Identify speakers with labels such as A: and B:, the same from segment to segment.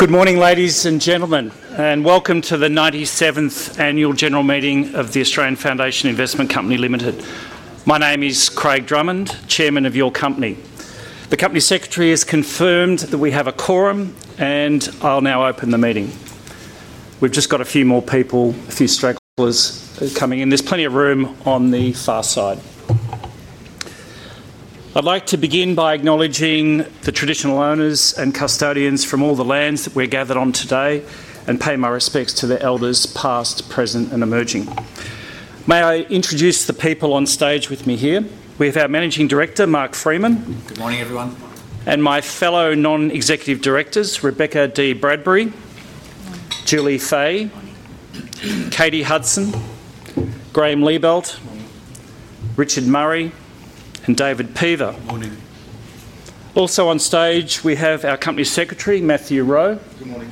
A: Good morning, ladies and gentlemen, and welcome to the 97th Annual General Meeting of the Australian Foundation Investment Company Limited. My name is Craig Drummond, Chairman of your company. The Company Secretary has confirmed that we have a quorum, and I'll now open the meeting. We've just got a few more people, a few stragglers coming in. There's plenty of room on the far side. I'd like to begin by acknowledging the traditional owners and custodians from all the lands that we're gathered on today and pay my respects to their elders, past, present, and emerging. May I introduce the people on stage with me here? With our Managing Director, Mark Freeman.
B: Good morning, everyone.
A: My fellow Non-Executive Directors, Rebecca Dee-Bradbury, Julie Fahey, Katie Hudson, Graeme Liebelt, Richard Murray, and David Peever.
C: Morning.
A: Also on stage, we have our Company Secretary, Matthew Rowe.
D: Good morning.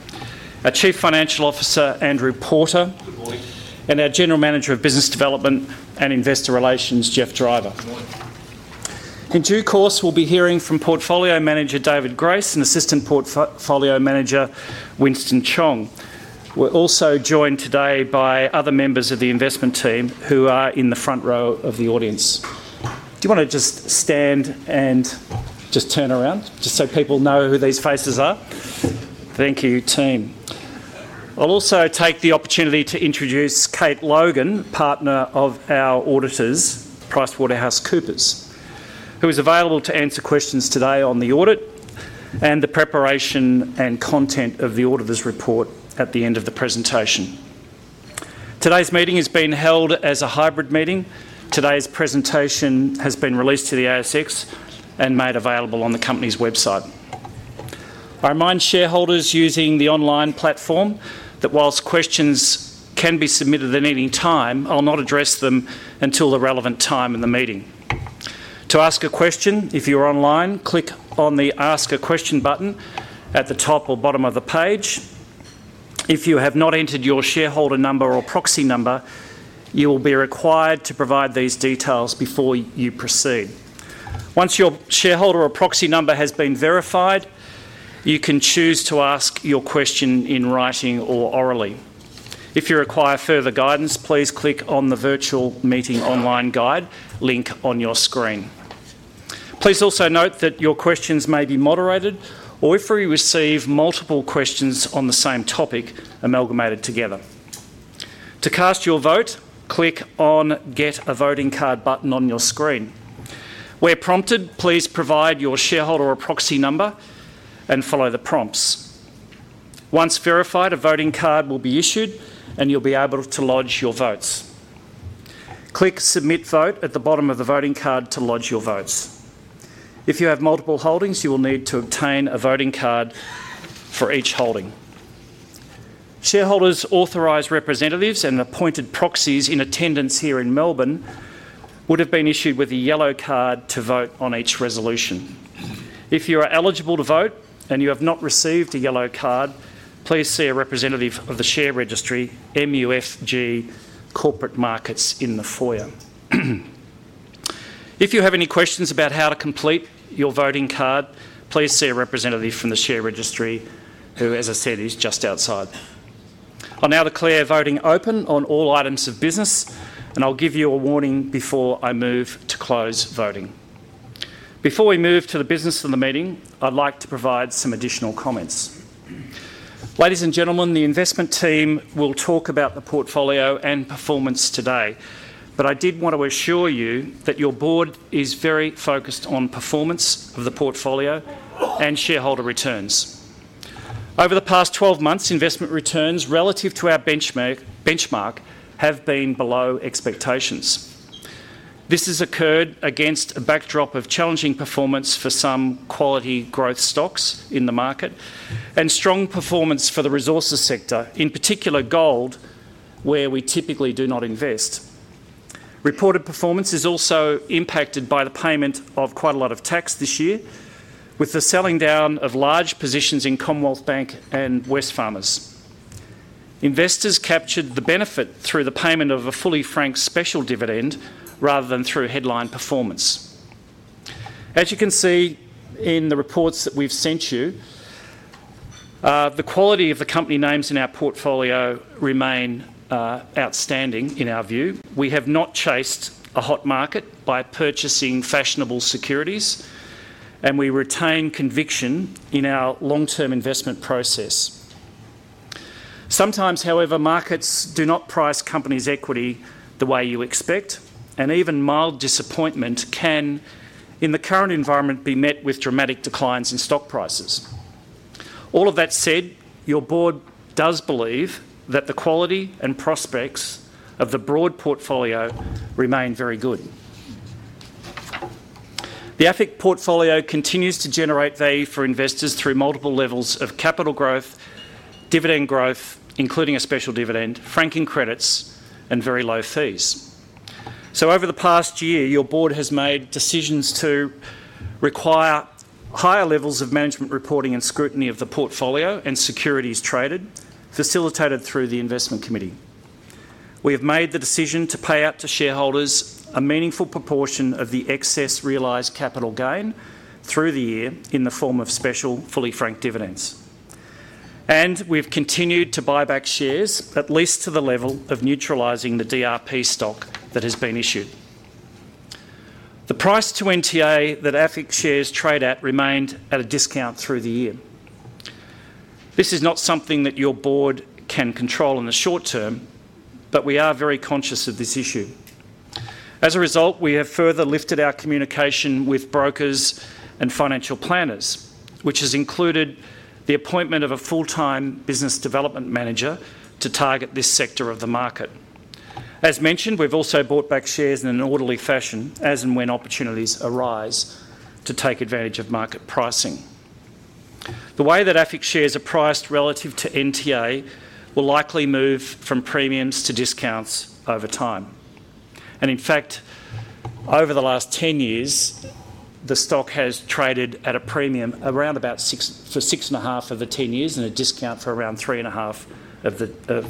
A: Our Chief Financial Officer, Andrew Porter.
E: Good morning.
A: Our General Manager of Business Development and Investor Relations, Geoffrey Driver.
F: Good morning.
A: In due course, we'll be hearing from Portfolio Manager, David Grace, and Assistant Portfolio Manager, Winston Chong. We're also joined today by other members of the investment team who are in the front row of the audience. Do you want to just stand and turn around, just so people know who these faces are? Thank you, team. I'll also take the opportunity to introduce Kate Logan, Partner of our auditors, PricewaterhouseCoopers, who is available to answer questions today on the audit and the preparation and content of the auditor's report at the end of the presentation. Today's meeting is being held as a hybrid meeting. Today's presentation has been released to the ASX and made available on the company's website. I remind shareholders using the online platform that whilst questions can be submitted at any time, I'll not address them until the relevant time in the meeting. To ask a question, if you're online, click on the Ask a Question button at the top or bottom of the page. If you have not entered your shareholder number or proxy number, you will be required to provide these details before you proceed. Once your shareholder or proxy number has been verified, you can choose to ask your question in writing or orally. If you require further guidance, please click on the Virtual Meeting Online Guide link on your screen. Please also note that your questions may be moderated or, if we receive multiple questions on the same topic, amalgamated together. To cast your vote, click on the Get a Voting Card button on your screen. When prompted, please provide your shareholder or proxy number and follow the prompts. Once verified, a voting card will be issued and you'll be able to lodge your votes. Click Submit Vote at the bottom of the voting card to lodge your votes. If you have multiple holdings, you will need to obtain a voting card for each holding. Shareholders, authorized representatives, and appointed proxies in attendance here in Melbourne would have been issued with a yellow card to vote on each resolution. If you are eligible to vote and you have not received a yellow card, please see a representative of the share registry, MUFG Corporate Markets, in the foyer. If you have any questions about how to complete your voting card, please see a representative from the share registry, who, as I said, is just outside. I'll now declare voting open on all items of business, and I'll give you a warning before I move to close voting. Before we move to the business of the meeting, I'd like to provide some additional comments. Ladies and gentlemen, the investment team will talk about the portfolio and performance today, but I did want to assure you that your Board is very focused on performance of the portfolio and shareholder returns. Over the past 12 months, investment returns relative to our benchmark have been below expectations. This has occurred against a backdrop of challenging performance for some quality growth stocks in the market and strong performance for the resources sector, in particular gold, where we typically do not invest. Reported performance is also impacted by the payment of quite a lot of tax this year, with the selling down of large positions in Commonwealth Bank and Wesfarmers. Investors captured the benefit through the payment of a fully franked special dividend rather than through headline performance. As you can see in the reports that we've sent you, the quality of the company names in our portfolio remain outstanding in our view. We have not chased a hot market by purchasing fashionable securities, and we retain conviction in our long-term investment process. Sometimes, however, markets do not price companies' equity the way you expect, and even mild disappointment can, in the current environment, be met with dramatic declines in stock prices. All of that said, your Board does believe that the quality and prospects of the broad portfolio remain very good. The AFIC portfolio continues to generate value for investors through multiple levels of capital growth, dividend growth, including a special dividend, franking credits, and very low fees. Over the past year, your Board has made decisions to require higher levels of management reporting and scrutiny of the portfolio and securities traded, facilitated through the investment committee. We have made the decision to pay out to shareholders a meaningful proportion of the excess realized capital gain through the year in the form of special fully franked dividends. We've continued to buy back shares at least to the level of neutralizing the DRP stock that has been issued. The price to NTA that AFIC shares trade at remained at a discount through the year. This is not something that your Board can control in the short term, but we are very conscious of this issue. As a result, we have further lifted our communication with brokers and financial planners, which has included the appointment of a full-time Business Development Manager to target this sector of the market. As mentioned, we've also bought back shares in an orderly fashion as and when opportunities arise to take advantage of market pricing. The way that AFIC shares are priced relative to NTA will likely move from premiums to discounts over time. In fact, over the last 10 years, the stock has traded at a premium around about six for 6.5 of the 10 years and a discount for around 3.5 of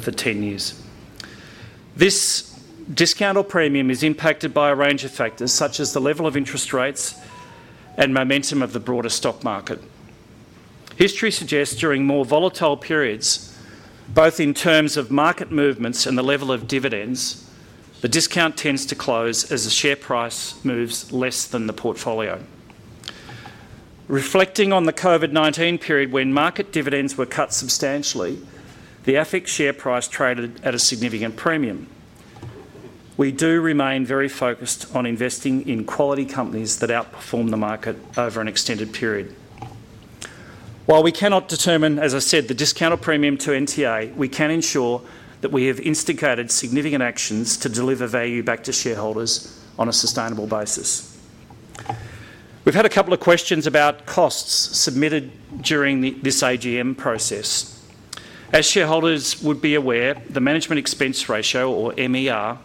A: the 10 years. This discount or premium is impacted by a range of factors such as the level of interest rates and momentum of the broader stock market. History suggests during more volatile periods, both in terms of market movements and the level of dividends, the discount tends to close as the share price moves less than the portfolio. Reflecting on the COVID-19 period when market dividends were cut substantially, the AFIC share price traded at a significant premium. We do remain very focused on investing in quality companies that outperform the market over an extended period. While we cannot determine, as I said, the discount or premium to NTA, we can ensure that we have instigated significant actions to deliver value back to shareholders on a sustainable basis. We've had a couple of questions about costs submitted during this AGM process. As shareholders would be aware, the management expense ratio, or MER,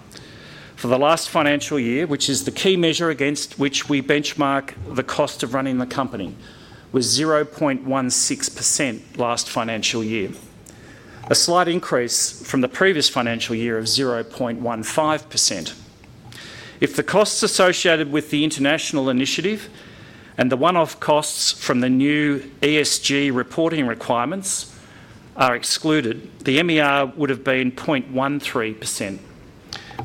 A: for the last financial year, which is the key measure against which we benchmark the cost of running the company, was 0.16% last financial year, a slight increase from the previous financial year of 0.15%. If the costs associated with the international initiative and the one-off costs from the new ESG reporting requirements are excluded, the MER would have been 0.13%,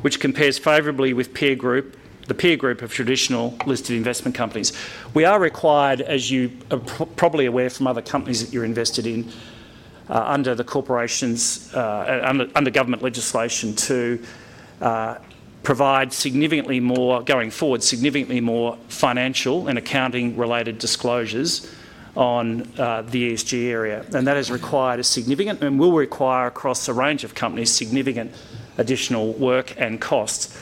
A: which compares favorably with the peer group of traditional listed investment companies. We are required, as you are probably aware from other companies that you're invested in, under the Corporations Act, under government legislation, to provide significantly more, going forward, significantly more financial and accounting-related disclosures on the ESG area. That has required a significant, and will require across a range of companies, significant additional work and costs.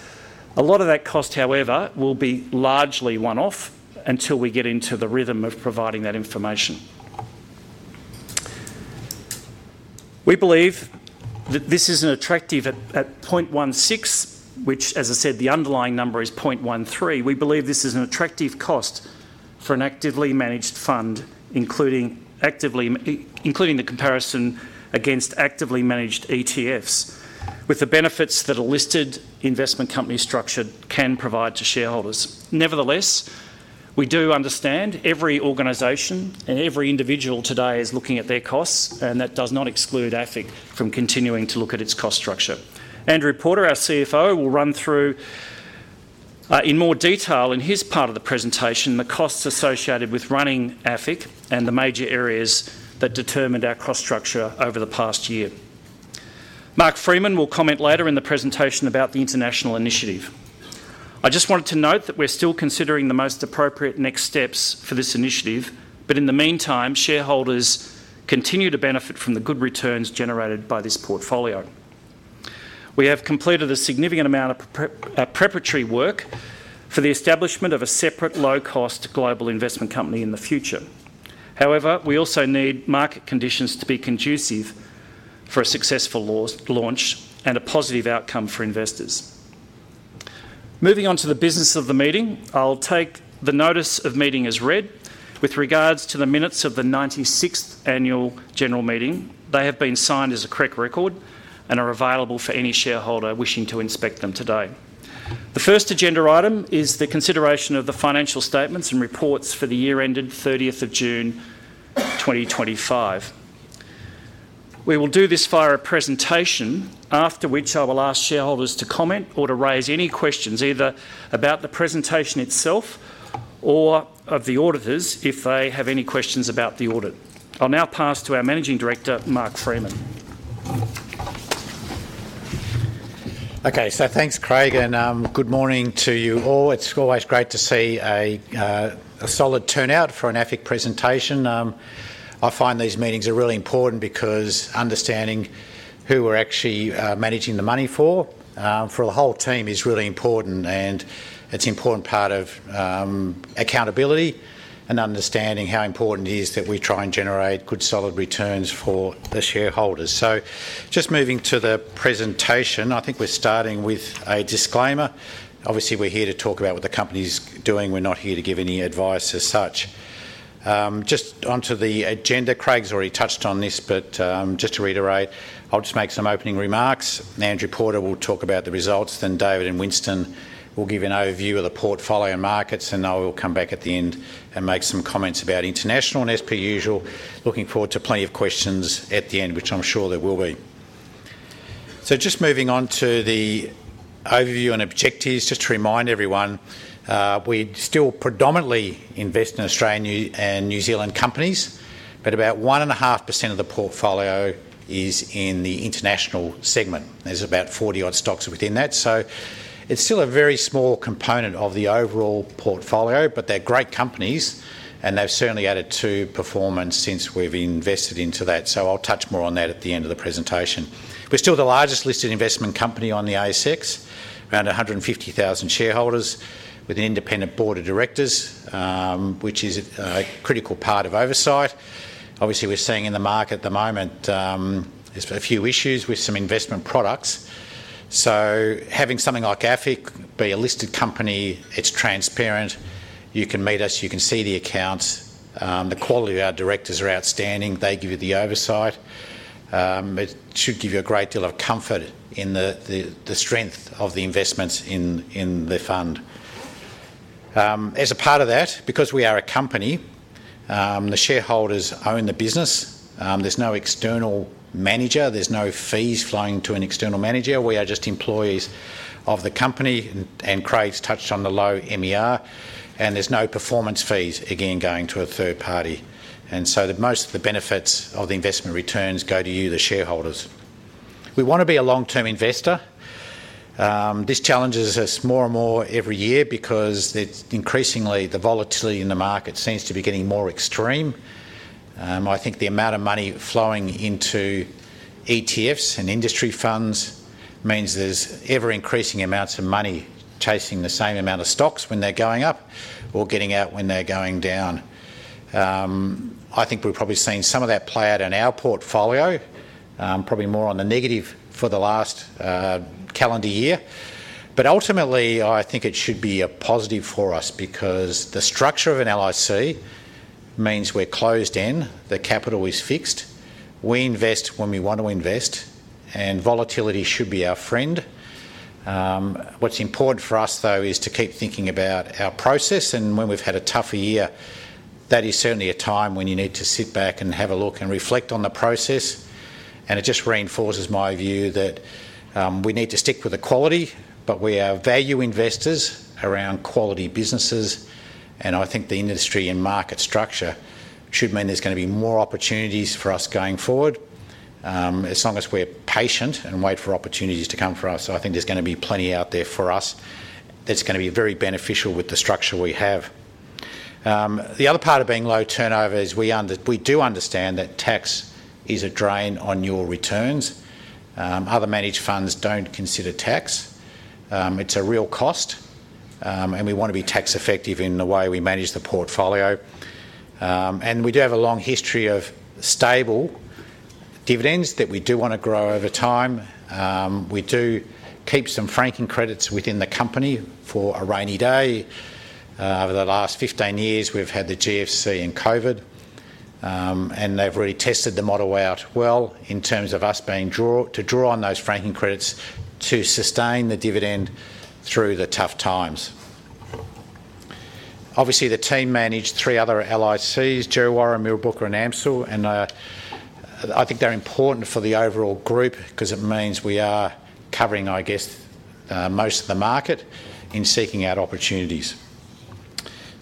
A: A lot of that cost, however, will be largely one-off until we get into the rhythm of providing that information. We believe that this is attractive at 0.16%, which, as I said, the underlying number is 0.13%. We believe this is an attractive cost for an actively managed fund, including the comparison against actively managed ETFs, with the benefits that a listed investment company structure can provide to shareholders. Nevertheless, we do understand every organization and every individual today is looking at their costs, and that does not exclude AFIC from continuing to look at its cost structure. Andrew Porter, our CFO, will run through in more detail in his part of the presentation the costs associated with running AFIC and the major areas that determined our cost structure over the past year. Mark Freeman will comment later in the presentation about the international initiative. I just wanted to note that we're still considering the most appropriate next steps for this initiative, but in the meantime, shareholders continue to benefit from the good returns generated by this portfolio. We have completed a significant amount of preparatory work for the establishment of a separate low-cost global investment company in the future. However, we also need market conditions to be conducive for a successful launch and a positive outcome for investors. Moving on to the business of the meeting, I'll take the notice of meeting as read with regards to the minutes of the 96th Annual General Meeting. They have been signed as a correct record and are available for any shareholder wishing to inspect them today. The first agenda item is the consideration of the financial statements and reports for the year ended 30th of June 2025. We will do this via a presentation, after which I will ask shareholders to comment or to raise any questions either about the presentation itself or of the auditors if they have any questions about the audit. I'll now pass to our Managing Director, Mark Freeman.
B: Okay, so thanks, Craig, and good morning to you all. It's always great to see a solid turnout for an AFIC presentation. I find these meetings are really important because understanding who we're actually managing the money for, for the whole team is really important, and it's an important part of accountability and understanding how important it is that we try and generate good solid returns for the shareholders. Just moving to the presentation, I think we're starting with a disclaimer. Obviously, we're here to talk about what the company is doing. We're not here to give any advice as such. Just onto the agenda, Craig's already touched on this, but just to reiterate, I'll just make some opening remarks. Andrew Porter will talk about the results, then David and Winston will give an overview of the portfolio markets, and I will come back at the end and make some comments about international, and as per usual, looking forward to plenty of questions at the end, which I'm sure there will be. Just moving on to the overview and objectives, just to remind everyone, we still predominantly invest in Australian and New Zealand companies, but about 1.5% of the portfolio is in the international segment. There's about 40 odd stocks within that, so it's still a very small component of the overall portfolio, but they're great companies, and they've certainly added to performance since we've invested into that. I'll touch more on that at the end of the presentation. We're still the largest listed investment company on the ASX, around 150,000 shareholders with an independent board of directors, which is a critical part of oversight. Obviously, we're seeing in the market at the moment, there's a few issues with some investment products. Having something like AFIC be a listed company, it's transparent. You can meet us, you can see the accounts. The quality of our directors is outstanding. They give you the oversight. It should give you a great deal of comfort in the strength of the investments in the fund. As a part of that, because we are a company, the shareholders own the business. There's no external manager. There's no fees flowing to an external manager. We are just employees of the company, and Craig's touched on the low MER, and there's no performance fees, again, going to a third party. Most of the benefits of the investment returns go to you, the shareholders. We want to be a long-term investor. This challenges us more and more every year because it's increasingly the volatility in the market seems to be getting more extreme. I think the amount of money flowing into ETFs and industry funds means there's ever-increasing amounts of money chasing the same amount of stocks when they're going up or getting out when they're going down. I think we've probably seen some of that play out in our portfolio, probably more on the negative for the last calendar year. Ultimately, I think it should be a positive for us because the structure of an LIC means we're closed in, the capital is fixed. We invest when we want to invest, and volatility should be our friend. What's important for us, though, is to keep thinking about our process, and when we've had a tougher year, that is certainly a time when you need to sit back and have a look and reflect on the process. It just reinforces my view that we need to stick with the quality, but we are value investors around quality businesses, and I think the industry and market structure should mean there's going to be more opportunities for us going forward as long as we're patient and wait for opportunities to come for us. I think there's going to be plenty out there for us. It's going to be very beneficial with the structure we have. The other part of being low turnover is we do understand that tax is a drain on your returns. Other managed funds don't consider tax. It's a real cost, and we want to be tax-effective in the way we manage the portfolio. We do have a long history of stable dividends that we do want to grow over time. We do keep some franking credits within the company for a rainy day. Over the last 15 years, we've had the GFC and COVID, and they've really tested the model out well in terms of us being drawn to draw on those franking credits to sustain the dividend through the tough times. Obviously, the team managed three other LICs, Djerriwarrh, Mirrabooka, and AMCIL, and I think they're important for the overall group because it means we are covering, I guess, most of the market in seeking out opportunities.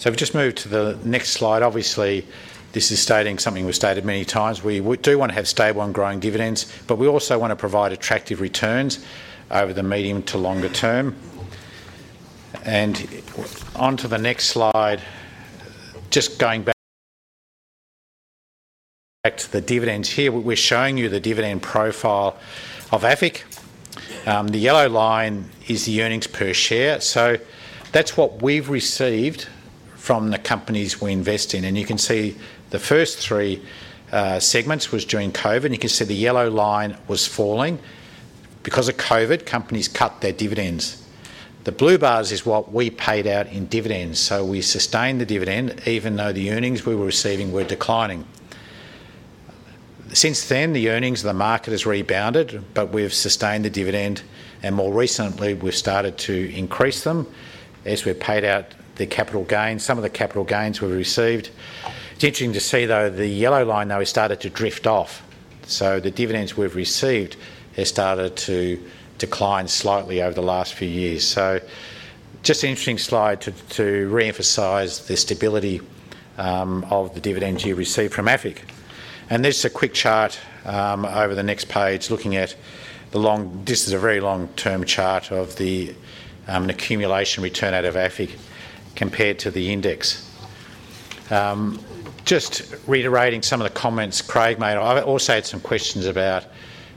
B: We've just moved to the next slide. Obviously, this is stating something we've stated many times. We do want to have stable and growing dividends, but we also want to provide attractive returns over the medium to longer term. Onto the next slide, just going back to the dividends here, we're showing you the dividend profile of AFIC. The yellow line is the earnings per share. That's what we've received from the companies we invest in. You can see the first three segments were during COVID, and you can see the yellow line was falling. Because of COVID, companies cut their dividends. The blue bars are what we paid out in dividends. We sustained the dividend even though the earnings we were receiving were declining. Since then, the earnings of the market have rebounded, but we've sustained the dividend, and more recently, we've started to increase them as we've paid out the capital gains, some of the capital gains we've received. It's interesting to see, though, the yellow line now has started to drift off. The dividends we've received have started to decline slightly over the last few years. Just an interesting slide to reemphasize the stability of the dividends you receive from AFIC. This is a quick chart over the next page looking at the long, this is a very long-term chart of the accumulation return out of AFIC compared to the index. Just reiterating some of the comments Craig made, I've also had some questions about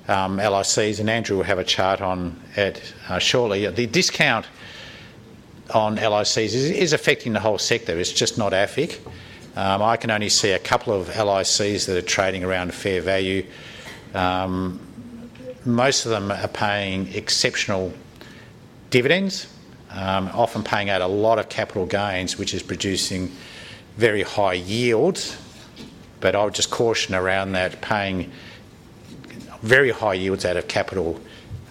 B: LICs, and Andrew will have a chart on it shortly. The discount on LICs is affecting the whole sector. It's just not AFIC. I can only see a couple of LICs that are trading around fair value. Most of them are paying exceptional dividends, often paying out a lot of capital gains, which is producing very high yields. I would just caution around that, paying very high yields out of capital,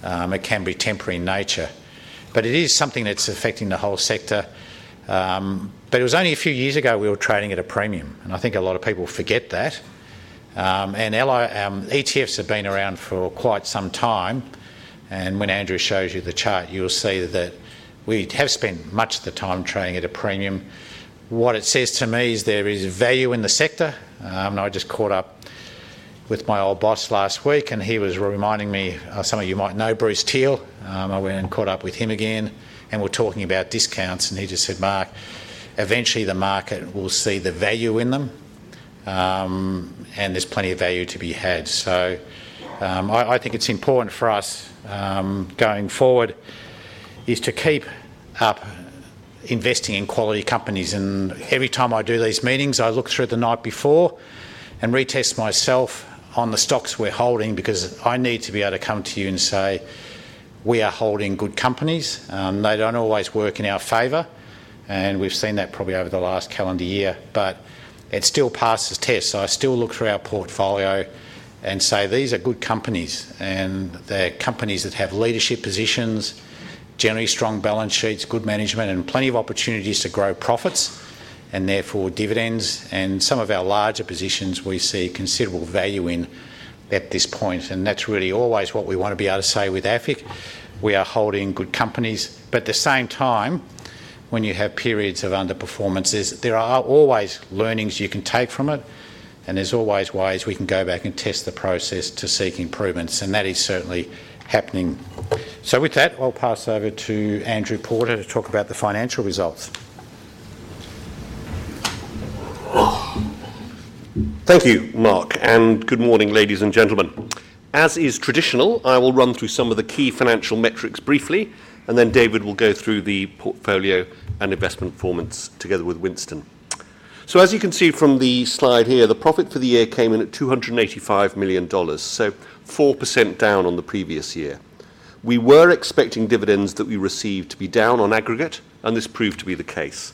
B: it can be temporary in nature. It is something that's affecting the whole sector. It was only a few years ago we were trading at a premium, and I think a lot of people forget that. ETFs have been around for quite some time. When Andrew shows you the chart, you'll see that we have spent much of the time trading at a premium. What it says to me is there is value in the sector. I just caught up with my old boss last week, and he was reminding me, some of you might know Bruce Teal. I went and caught up with him again, and we're talking about discounts, and he just said, "Mark, eventually the market will see the value in them, and there's plenty of value to be had." I think it's important for us going forward to keep up investing in quality companies. Every time I do these meetings, I look through the night before and retest myself on the stocks we're holding because I need to be able to come to you and say, "We are holding good companies." They don't always work in our favor, and we've seen that probably over the last calendar year, but it still passes tests. I still look through our portfolio and say, "These are good companies, and they're companies that have leadership positions, generally strong balance sheets, good management, and plenty of opportunities to grow profits, and therefore dividends." Some of our larger positions we see considerable value in at this point, and that's really always what we want to be able to say with AFIC. We are holding good companies. At the same time, when you have periods of underperformance, there are always learnings you can take from it, and there are always ways we can go back and test the process to seek improvements, and that is certainly happening. With that, I'll pass over to Andrew Porter to talk about the financial results.
E: Thank you, Mark, and good morning, ladies and gentlemen. As is traditional, I will run through some of the key financial metrics briefly, and then David will go through the portfolio and investment performance together with Winston. As you can see from the slide here, the profit for the year came in at 285 million dollars, so 4% down on the previous year. We were expecting dividends that we received to be down on aggregate, and this proved to be the case.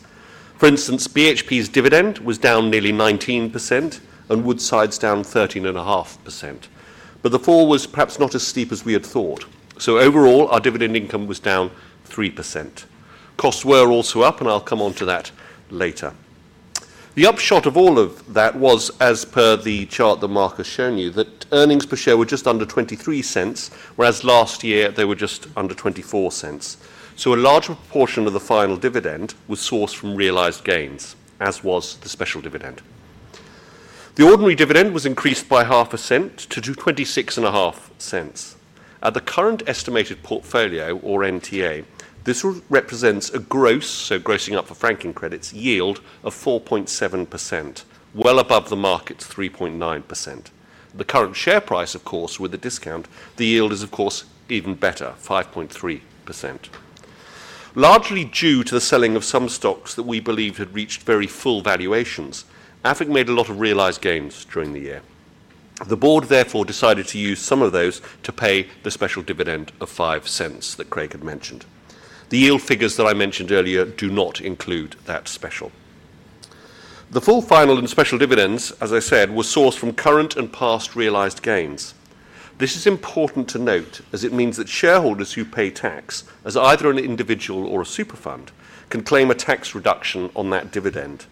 E: For instance, BHP's dividend was down nearly 19%, and Woodside's down 13.5%. The fall was perhaps not as steep as we had thought. Overall, our dividend income was down 3%. Costs were also up, and I'll come onto that later. The upshot of all of that was, as per the chart that Mark has shown you, that earnings per share were just under 0.23, whereas last year they were just under 0.24. A large portion of the final dividend was sourced from realized gains, as was the special dividend. The ordinary dividend was increased by AUD 0.005 to 0.265. At the current estimated portfolio, or NTA, this represents a gross, so grossing up for franking credits, yield of 4.7%, well above the market's 3.9%. The current share price, of course, with the discount, the yield is of course even better, 5.3%. Largely due to the selling of some stocks that we believed had reached very full valuations, AFIC made a lot of realized gains during the year. The board therefore decided to use some of those to pay the special dividend of 0.05 that Craig had mentioned. The yield figures that I mentioned earlier do not include that special. The full final and special dividends, as I said, were sourced from current and past realized gains. This is important to note as it means that shareholders who pay tax, as either an individual or a super fund, can claim a tax reduction on that dividend.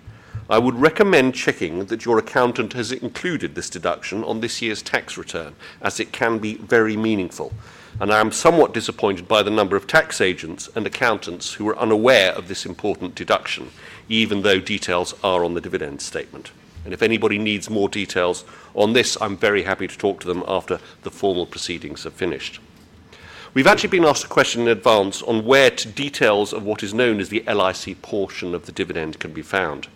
E: I would recommend checking that your accountant has included this deduction on this year's tax return, as it can be very meaningful. I am somewhat disappointed by the number of tax agents and accountants who are unaware of this important deduction, even though details are on the dividend statement. If anybody needs more details on this, I'm very happy to talk to them after the formal proceedings have finished. We've actually been asked a question in advance on where details of what is known as the LIC portion of the dividend can be found.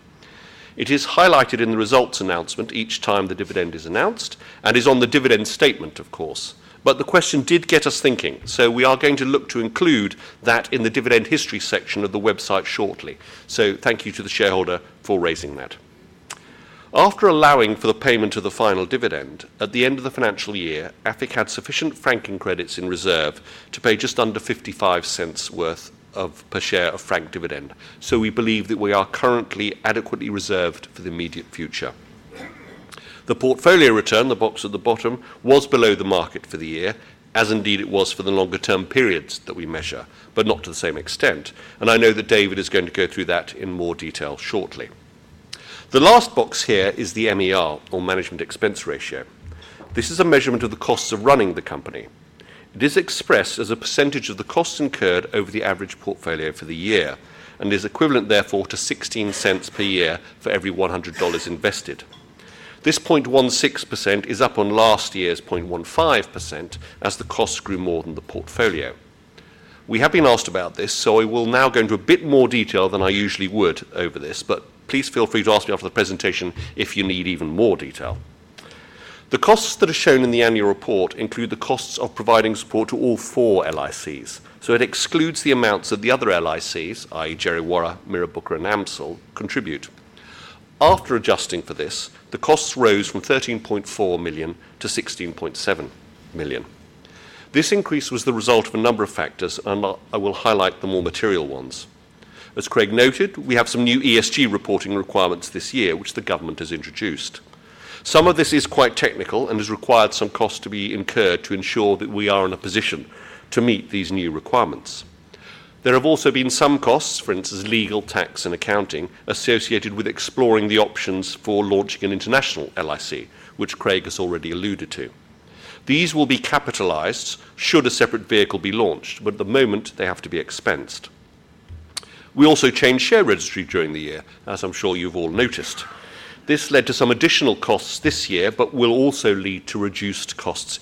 E: It is highlighted in the results announcement each time the dividend is announced and is on the dividend statement, of course. The question did get us thinking, so we are going to look to include that in the dividend history section of the website shortly. Thank you to the shareholder for raising that. After allowing for the payment of the final dividend at the end of the financial year, AFIC had sufficient franking credits in reserve to pay just under 0.55 per share of franked dividend. We believe that we are currently adequately reserved for the immediate future. The portfolio return, the box at the bottom, was below the market for the year, as indeed it was for the longer-term periods that we measure, not to the same extent. I know that David is going to go through that in more detail shortly. The last box here is the MER, or management expense ratio. This is a measurement of the costs of running the company. It is expressed as a percentage of the costs incurred over the average portfolio for the year and is equivalent therefore to 0.16 per year for every 100 dollars invested. This 0.16% is up on last year's 0.15% as the costs grew more than the portfolio. We have been asked about this, so I will now go into a bit more detail than I usually would over this, but please feel free to ask me after the presentation if you need even more detail. The costs that are shown in the annual report include the costs of providing support to all four LICs, so it excludes the amounts that the other LICs, i.e., Djerriwarrh, Mirrabooka, and AMCIL, contribute. After adjusting for this, the costs rose from AUD 13.4 million to AUD 16.7 million. This increase was the result of a number of factors,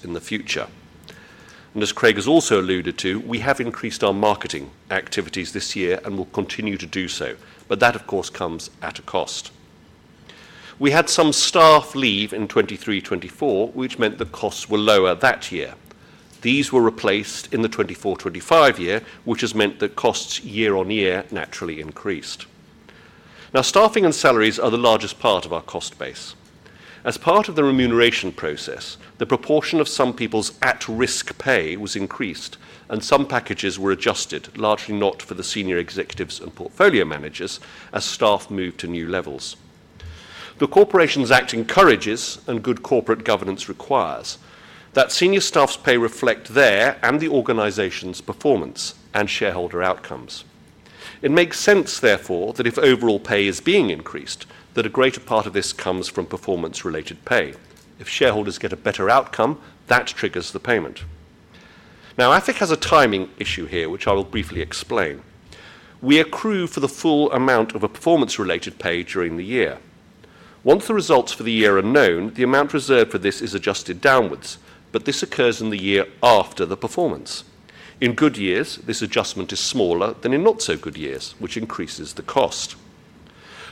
E: and As part of the remuneration process, the proportion of some people's at-risk pay was increased, and some packages were adjusted, largely not for the Senior Executives and Portfolio Managers, as staff moved to new levels. The Corporations Act encourages and good corporate governance requires that senior staff's pay reflect their and the organization's performance and shareholder outcomes. It makes sense, therefore, that if overall pay is being increased, a greater part of this comes from performance-related pay. If shareholders get a better outcome, that triggers the payment. AFIC has a timing issue here, which I will briefly explain. We accrue for the full amount of a performance-related pay during the year. Once the results for the year are known, the amount reserved for this is adjusted downwards, but this occurs in the year after the performance. In good years, this adjustment is smaller than in not-so-good years, which increases the cost.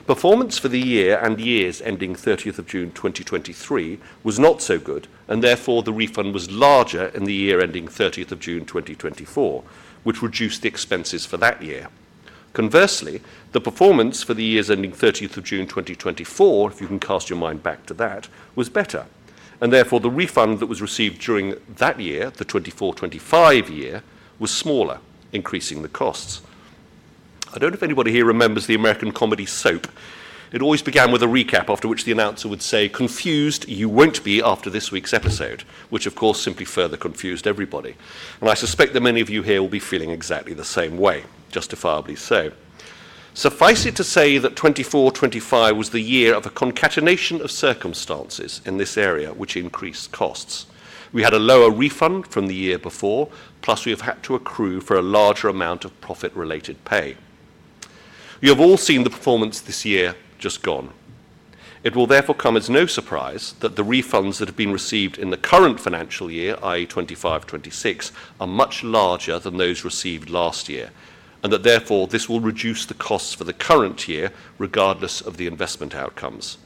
E: Performance for the year and years ending 30th of June 2023 was not so good, and therefore the refund was larger in the year ending 30th of June 2024, which reduced the expenses for that year. Conversely, the performance for the years ending 30th of June 2024, if you can cast your mind back to that, was better, and therefore the refund that was received during that year, the 2024-2025 year, was smaller, increasing the costs. I don't know if anybody here remembers the American comedy soap. It always began with a recap, after which the announcer would say, "Confused you won't be after this week's episode," which of course simply further confused everybody. I suspect that many of you here will be feeling exactly the same way, justifiably so. Suffice it to say that 2024-2025 was the year of a concatenation of circumstances in this area which increased costs. We had a lower refund from the year before, plus we have had to accrue for a larger amount of profit-related pay. You have all seen the performance this year just gone. It will therefore come as no surprise that the refunds that have been received in the current financial year, i.e., 2025-2026, are much larger than those received last year, and that therefore this will reduce the costs for the current year regardless of the investment outcomes.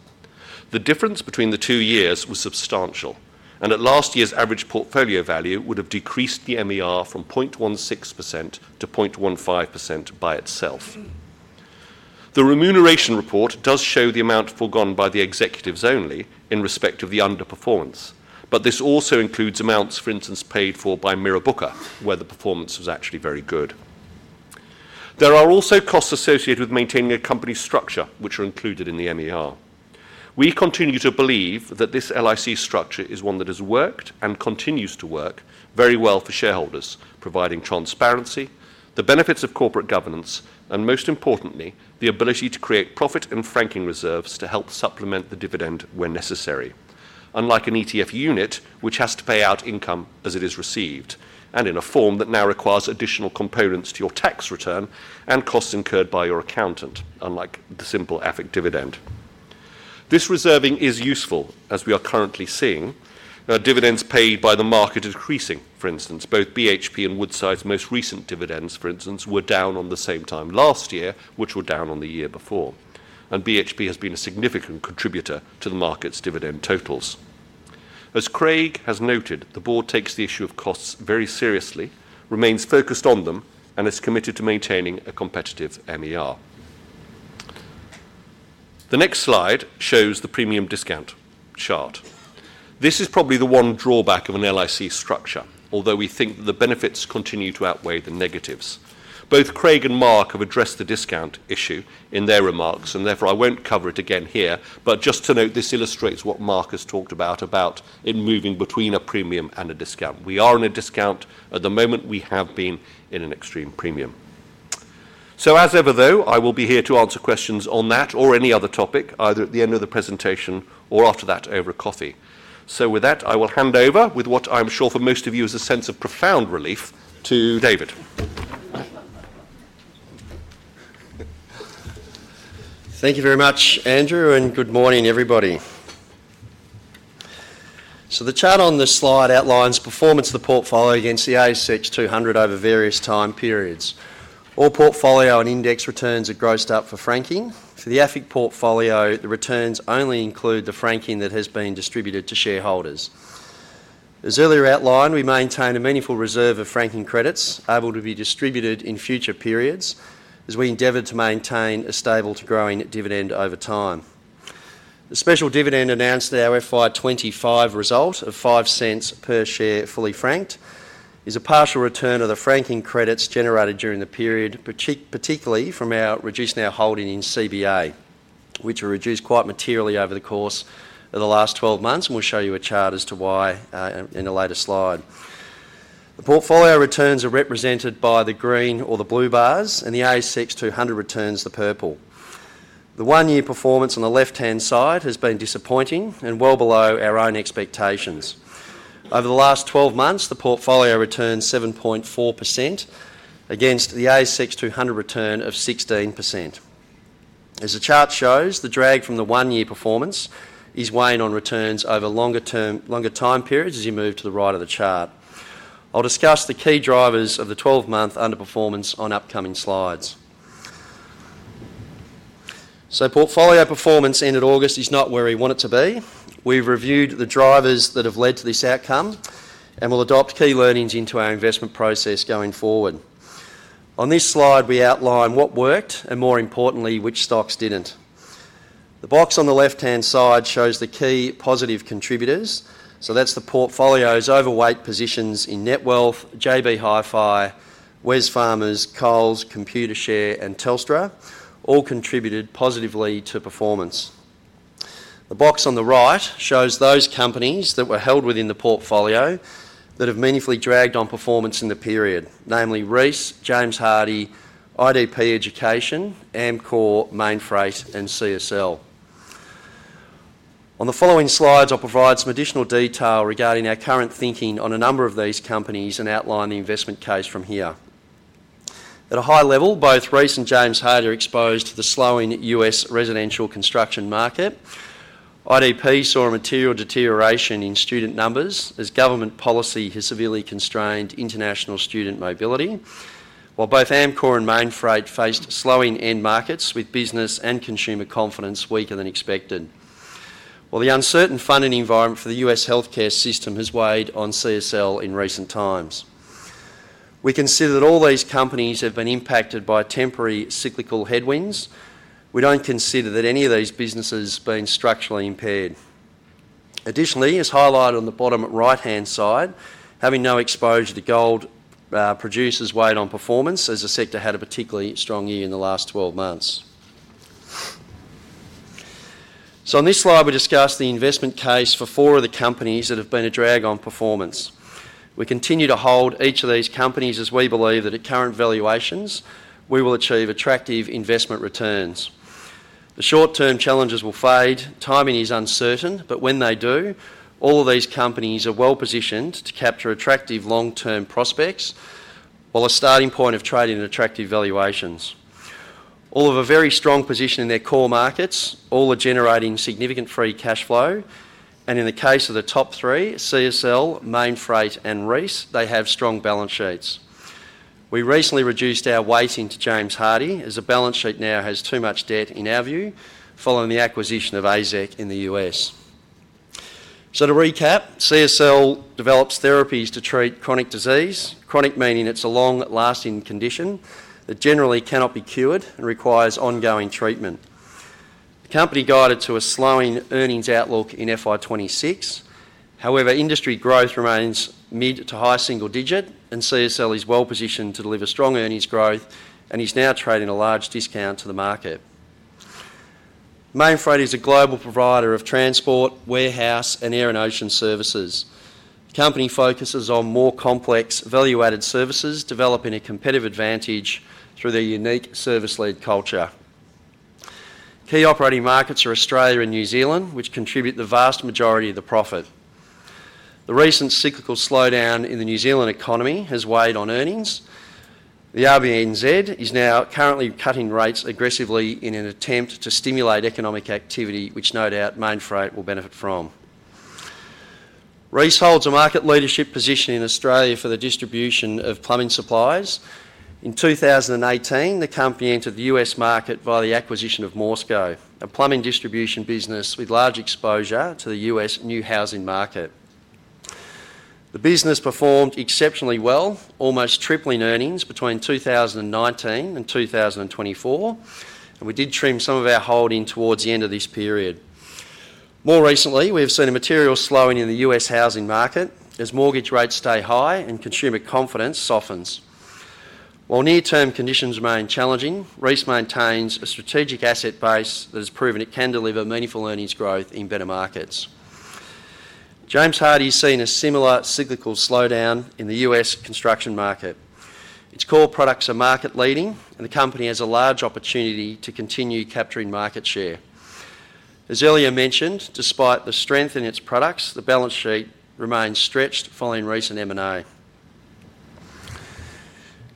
E: The difference between the two years was substantial, and at last year's average portfolio value would have decreased the MER from 0.16% to 0.15% by itself. The remuneration report does show the amount forgone by the executives only in respect of the underperformance, but this also includes amounts, for instance, paid for by Mirrabooka, where the performance was actually very good. There are also costs associated with maintaining a company structure, which are included in the MER. We continue to believe that this LIC structure is one that has worked and continues to work very well for shareholders, providing transparency, the benefits of corporate governance, and most importantly, the ability to create profit and franking reserves to help supplement the dividend when necessary. Unlike an ETF unit, which has to pay out income as it is received, and in a form that now requires additional components to your tax return and costs incurred by your accountant, unlike the simple AFIC dividend. This reserving is useful as we are currently seeing dividends paid by the market increasing. For instance, both BHP and Woodside's most recent dividends, for instance, were down on the same time last year, which were down on the year before. BHP has been a significant contributor to the market's dividend totals. As Craig has noted, the board takes the issue of costs very seriously, remains focused on them, and is committed to maintaining a competitive MER. The next slide shows the premium discount chart. This is probably the one drawback of an LIC structure, although we think that the benefits continue to outweigh the negatives. Both Craig and Mark have addressed the discount issue in their remarks, and therefore I won't cover it again here, but just to note, this illustrates what Mark has talked about in moving between a premium and a discount. We are in a discount at the moment. We have been in an extreme premium. As ever, though, I will be here to answer questions on that or any other topic, either at the end of the presentation or after that over coffee. With that, I will hand over with what I'm sure for most of you is a sense of profound relief to David.
G: Thank you very much, Andrew, and good morning, everybody. The chart on this slide outlines performance of the portfolio against the ASX 200 over various time periods. All portfolio and index returns are grossed up for franking. For the AFIC portfolio, the returns only include the franking that has been distributed to shareholders. As earlier outlined, we maintain a meaningful reserve of franking credits able to be distributed in future periods as we endeavor to maintain a stable to growing dividend over time. The special dividend announced at the FY 2025 result of 0.05 per share fully franked is a partial return of the franking credits generated during the period, particularly from our reduced now holding in Commonwealth Bank, which we reduced quite materially over the course of the last 12 months, and we'll show you a chart as to why in a later slide. The portfolio returns are represented by the green or the blue bars, and the ASX 200 returns the purple. The one-year performance on the left-hand side has been disappointing and well below our own expectations. Over the last 12 months, the portfolio returned 7.4% against the ASX 200 return of 16%. As the chart shows, the drag from the one-year performance is weighing on returns over longer time periods as you move to the right of the chart. I'll discuss the key drivers of the 12-month underperformance on upcoming slides. Portfolio performance in August is not where we want it to be. We've reviewed the drivers that have led to this outcome and will adopt key learnings into our investment process going forward. On this slide, we outline what worked and, more importantly, which stocks didn't. The box on the left-hand side shows the key positive contributors. That's the portfolio's overweight positions in Netwealth, JB Hi-Fi, Wesfarmers, Coles, Computershare, and Telstra, all contributed positively to performance. The box on the right shows those companies that were held within the portfolio that have meaningfully dragged on performance in the period, namely Reece, James Hardie, IDP Education, Amcor, Mainfreight, and CSL. On the following slides, I'll provide some additional detail regarding our current thinking on a number of these companies and outline the investment case from here. At a high level, both Reece and James Hardie are exposed to the slowing U.S. residential construction market. IDP saw a material deterioration in student numbers as government policy has severely constrained international student mobility, while both Amcor and Mainfreight faced slowing end markets with business and consumer confidence weaker than expected. While the uncertain funding environment for the U.S. healthcare system has weighed on CSL in recent times, we consider that all these companies have been impacted by temporary cyclical headwinds. We don't consider that any of these businesses have been structurally impaired. Additionally, as highlighted on the bottom right-hand side, having no exposure to gold producers weighed on performance as the sector had a particularly strong year in the last 12 months. On this slide, we discuss the investment case for four of the companies that have been a drag on performance. We continue to hold each of these companies as we believe that at current valuations, we will achieve attractive investment returns. The short-term challenges will fade. Timing is uncertain, but when they do, all of these companies are well positioned to capture attractive long-term prospects while a starting point of trading at attractive valuations. All have a very strong position in their core markets. All are generating significant free cash flow. In the case of the top three, CSL, Mainfreight, and Reece, they have strong balance sheets. We recently reduced our weighting to James Hardie as the balance sheet now has too much debt in our view following the acquisition of AZEK in the U.S. To recap, CSL develops therapies to treat chronic disease, chronic meaning it's a long-lasting condition that generally cannot be cured and requires ongoing treatment. The company guided to a slowing earnings outlook in FY 2026. However, industry growth remains mid to high single digit, and CSL is well positioned to deliver strong earnings growth and is now trading at a large discount to the market. Mainfreight is a global provider of transport, warehouse, and air and ocean services. The company focuses on more complex value-added services, developing a competitive advantage through their unique service-led culture. Key operating markets are Australia and New Zealand, which contribute the vast majority of the profit. The recent cyclical slowdown in the New Zealand economy has weighed on earnings. The RBNZ is now currently cutting rates aggressively in an attempt to stimulate economic activity, which no doubt Mainfreight will benefit from. Reece holds a market leadership position in Australia for the distribution of plumbing supplies. In 2018, the company entered the U.S. market via the acquisition of Morrison, a plumbing distribution business with large exposure to the U.S. new housing market. The business performed exceptionally well, almost tripling earnings between 2019 and 2024, and we did trim some of our holding towards the end of this period. More recently, we've seen a material slowing in the U.S. housing market as mortgage rates stay high and consumer confidence softens. While near-term conditions remain challenging, Reece maintains a strategic asset base that has proven it can deliver meaningful earnings growth in better markets. James Hardie has seen a similar cyclical slowdown in the U.S. construction market. Its core products are market-leading, and the company has a large opportunity to continue capturing market share. As earlier mentioned, despite the strength in its products, the balance sheet remains stretched following recent M&A.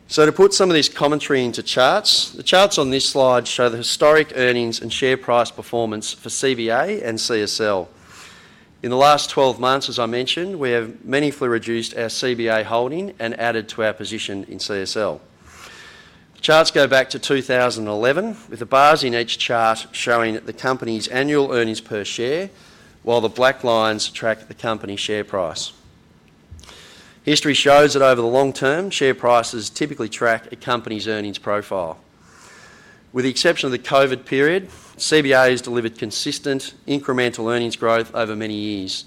G: To put some of this commentary into charts, the charts on this slide show the historic earnings and share price performance for CBA and CSL. In the last 12 months, as I mentioned, we have meaningfully reduced our CBA holding and added to our position in CSL. Charts go back to 2011, with the bars in each chart showing the company's annual earnings per share, while the black lines track the company's share price. History shows that over the long term, share prices typically track a company's earnings profile. With the exception of the COVID period, CBA has delivered consistent incremental earnings growth over many years.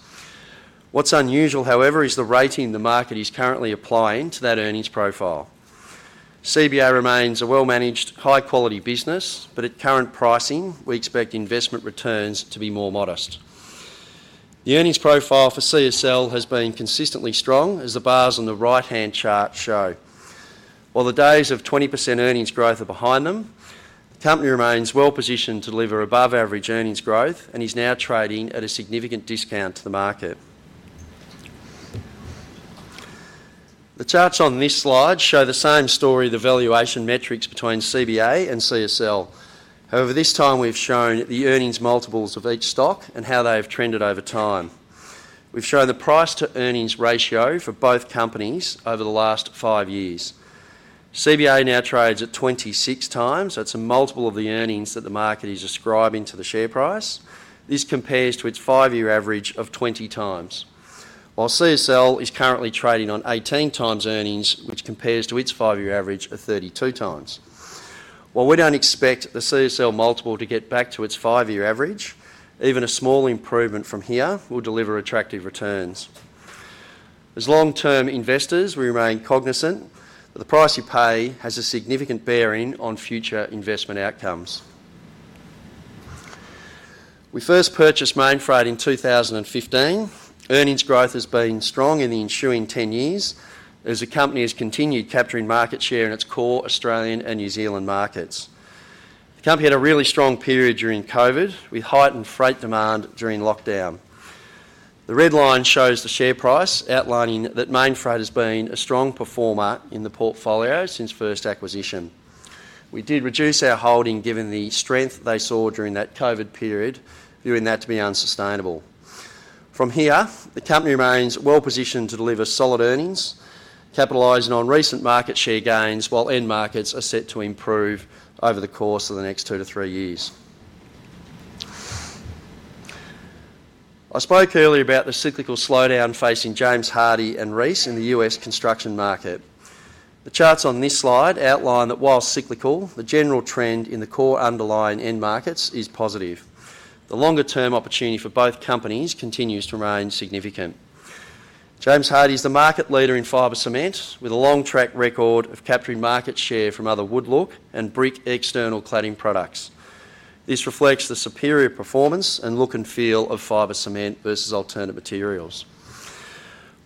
G: What's unusual, however, is the rating the market is currently applying to that earnings profile. CBA remains a well-managed, high-quality business, but at current pricing, we expect investment returns to be more modest. The earnings profile for CSL has been consistently strong, as the bars on the right-hand chart show. While the days of 20% earnings growth are behind them, the company remains well positioned to deliver above-average earnings growth and is now trading at a significant discount to the market. The charts on this slide show the same story of the valuation metrics between CBA and CSL. However, this time we've shown the earnings multiples of each stock and how they have trended over time. We've shown the price-to-earnings ratio for both companies over the last five years. CBA now trades at 26 times. That's a multiple of the earnings that the market is ascribing to the share price. This compares to its five-year average of 20 times. While CSL is currently trading on 18 times earnings, which compares to its five-year average of 32 times. While we don't expect the CSL multiple to get back to its five-year average, even a small improvement from here will deliver attractive returns. As long-term investors, we remain cognizant that the price you pay has a significant bearing on future investment outcomes. We first purchased Mainfreight in 2015. Earnings growth has been strong in the ensuing 10 years, as the company has continued capturing market share in its core Australian and New Zealand markets. The company had a really strong period during COVID, with heightened freight demand during lockdown. The red line shows the share price, outlining that Mainfreight has been a strong performer in the portfolio since first acquisition. We did reduce our holding given the strength they saw during that COVID period, viewing that to be unsustainable. From here, the company remains well positioned to deliver solid earnings, capitalizing on recent market share gains, while end markets are set to improve over the course of the next two to three years. I spoke earlier about the cyclical slowdown facing James Hardie and Reece in the U.S. construction market. The charts on this slide outline that while cyclical, the general trend in the core underlying end markets is positive. The longer-term opportunity for both companies continues to remain significant. James Hardie is the market leader in fiber cement, with a long track record of capturing market share from other wood look and brick external cladding products. This reflects the superior performance and look and feel of fiber cement versus alternative materials.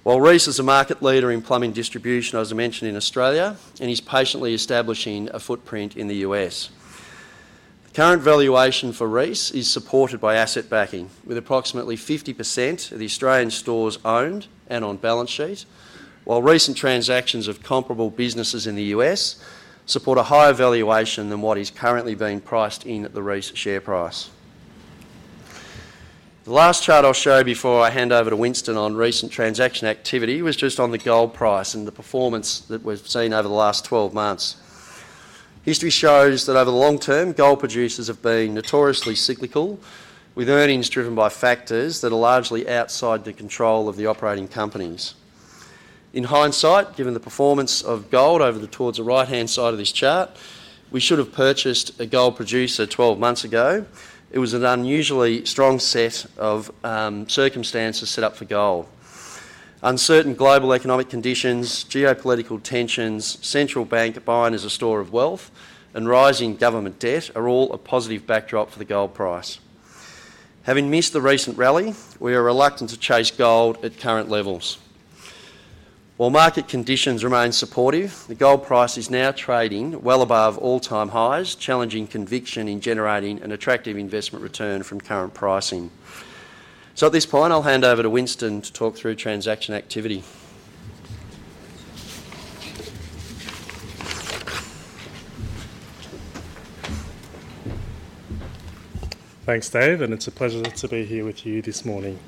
G: While Reece is a market leader in plumbing distribution, as I mentioned in Australia, and is patiently establishing a footprint in the U.S. Current valuation for Reece is supported by asset backing, with approximately 50% of the Australian stores owned and on balance sheets, while recent transactions of comparable businesses in the U.S. support a higher valuation than what is currently being priced in the Reece share price. The last chart I'll show before I hand over to Winston on recent transaction activity was just on the gold price and the performance that we've seen over the last 12 months. History shows that over the long term, gold producers have been notoriously cyclical, with earnings driven by factors that are largely outside the control of the operating companies. In hindsight, given the performance of gold over the towards the right-hand side of this chart, we should have purchased a gold producer 12 months ago. It was an unusually strong set of circumstances set up for gold. Uncertain global economic conditions, geopolitical tensions, central bank buying as a store of wealth, and rising government debt are all a positive backdrop for the gold price. Having missed the recent rally, we are reluctant to chase gold at current levels. While market conditions remain supportive, the gold price is now trading well above all-time highs, challenging conviction in generating an attractive investment return from current pricing. At this point, I'll hand over to Winston to talk through transaction activity.
H: Thanks, Dave, and it's a pleasure to be here with you this morning.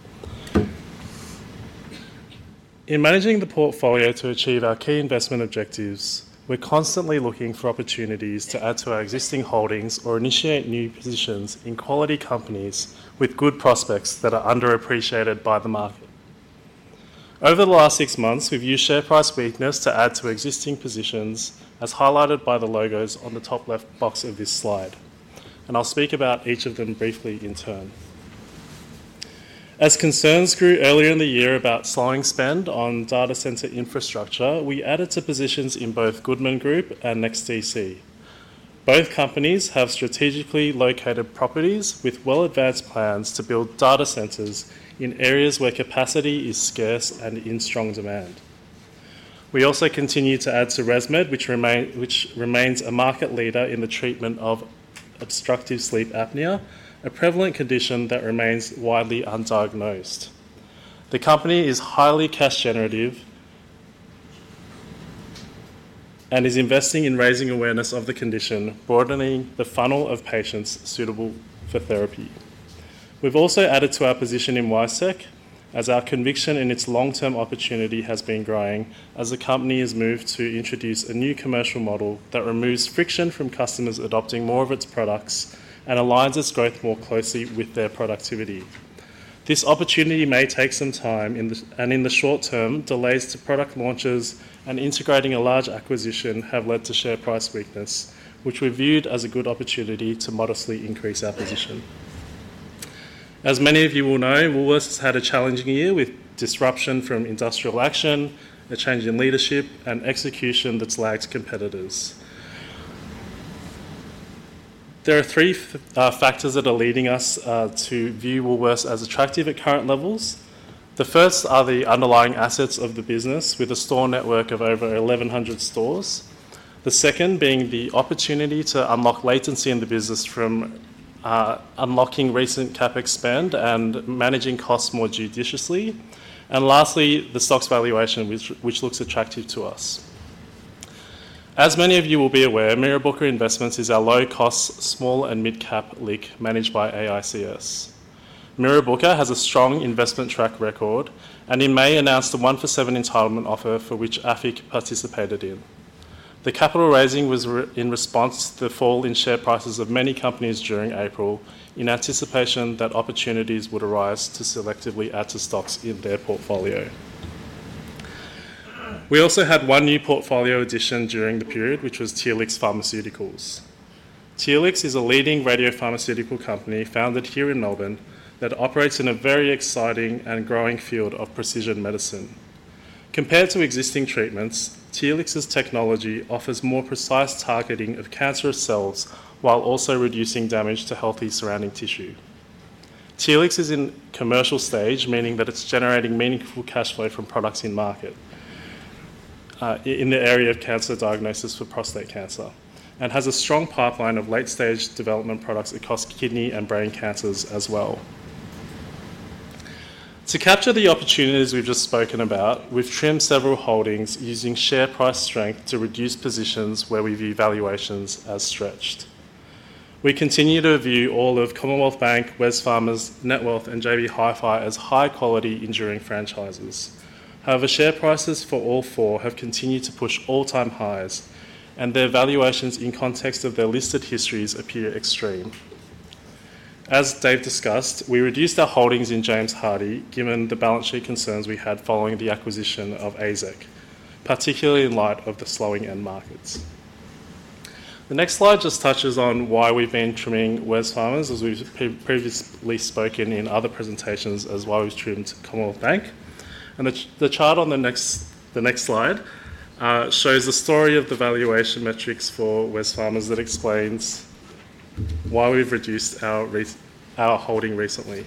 H: In managing the portfolio to achieve our key investment objectives, we're constantly looking for opportunities to add to our existing holdings or initiate new positions in quality companies with good prospects that are underappreciated by the market. Over the last six months, we've used share price weakness to add to existing positions as highlighted by the logos on the top left box of this slide, and I'll speak about each of them briefly in turn. As concerns grew earlier in the year about selling spend on data center infrastructure, we added to positions in both Goodman Group and NextDC. Both companies have strategically located properties with well-advanced plans to build data centers in areas where capacity is scarce and in strong demand. We also continue to add to ResMed, which remains a market leader in the treatment of obstructive sleep apnea, a prevalent condition that remains widely undiagnosed. The company is highly cash-generative and is investing in raising awareness of the condition, broadening the funnel of patients suitable for therapy. We've also added to our position in WiseTech as our conviction in its long-term opportunity has been growing as the company has moved to introduce a new commercial model that removes friction from customers adopting more of its products and aligns its growth more closely with their productivity. This opportunity may take some time, and in the short term, delays to product launches and integrating a large acquisition have led to share price weakness, which we viewed as a good opportunity to modestly increase our position. As many of you will know, Woolworths has had a challenging year with disruption from industrial action, a change in leadership, and execution that's lagged competitors. There are three factors that are leading us to view Woolworths as attractive at current levels. The first are the underlying assets of the business, with a store network of over 1,100 stores. The second being the opportunity to unlock latency in the business from unlocking recent CapEx spend and managing costs more judiciously. Lastly, the stock's valuation, which looks attractive to us. As many of you will be aware, Mirrabooka Investments is our low-cost, small, and mid-cap LIC managed by AICS. Mirrabooka has a strong investment track record and in May announced a one-for-seven entitlement offer for which AFIC participated in. The capital raising was in response to the fall in share prices of many companies during April in anticipation that opportunities would arise to selectively add to stocks in their portfolio. We also had one new portfolio addition during the period, which was Telix Pharmaceuticals. Telix is a leading radiopharmaceutical company founded here in Melbourne that operates in a very exciting and growing field of precision medicine. Compared to existing treatments, Telix's technology offers more precise targeting of cancerous cells while also reducing damage to healthy surrounding tissue. Telix is in commercial stage, meaning that it's generating meaningful cash flow from products in the market in the area of cancer diagnosis for prostate cancer and has a strong pipeline of late-stage development products that target kidney and brain cancers as well. To capture the opportunities we've just spoken about, we've trimmed several holdings using share price strength to reduce positions where we view valuations as stretched. We continue to view all of Commonwealth Bank, Wesfarmers, Netwealth, and JB Hi-Fi as high-quality enduring franchises. However, share prices for all four have continued to push all-time highs, and their valuations in context of their listed histories appear extreme. As Dave discussed, we reduced our holdings in James Hardie given the balance sheet concerns we had following the acquisition of AZEK, particularly in light of the slowing end markets. The next slide just touches on why we've been trimming Wesfarmers, as we've previously spoken in other presentations, as why we've trimmed Commonwealth Bank. The chart on the next slide shows the story of the valuation metrics for Wesfarmers that explains why we've reduced our holding recently.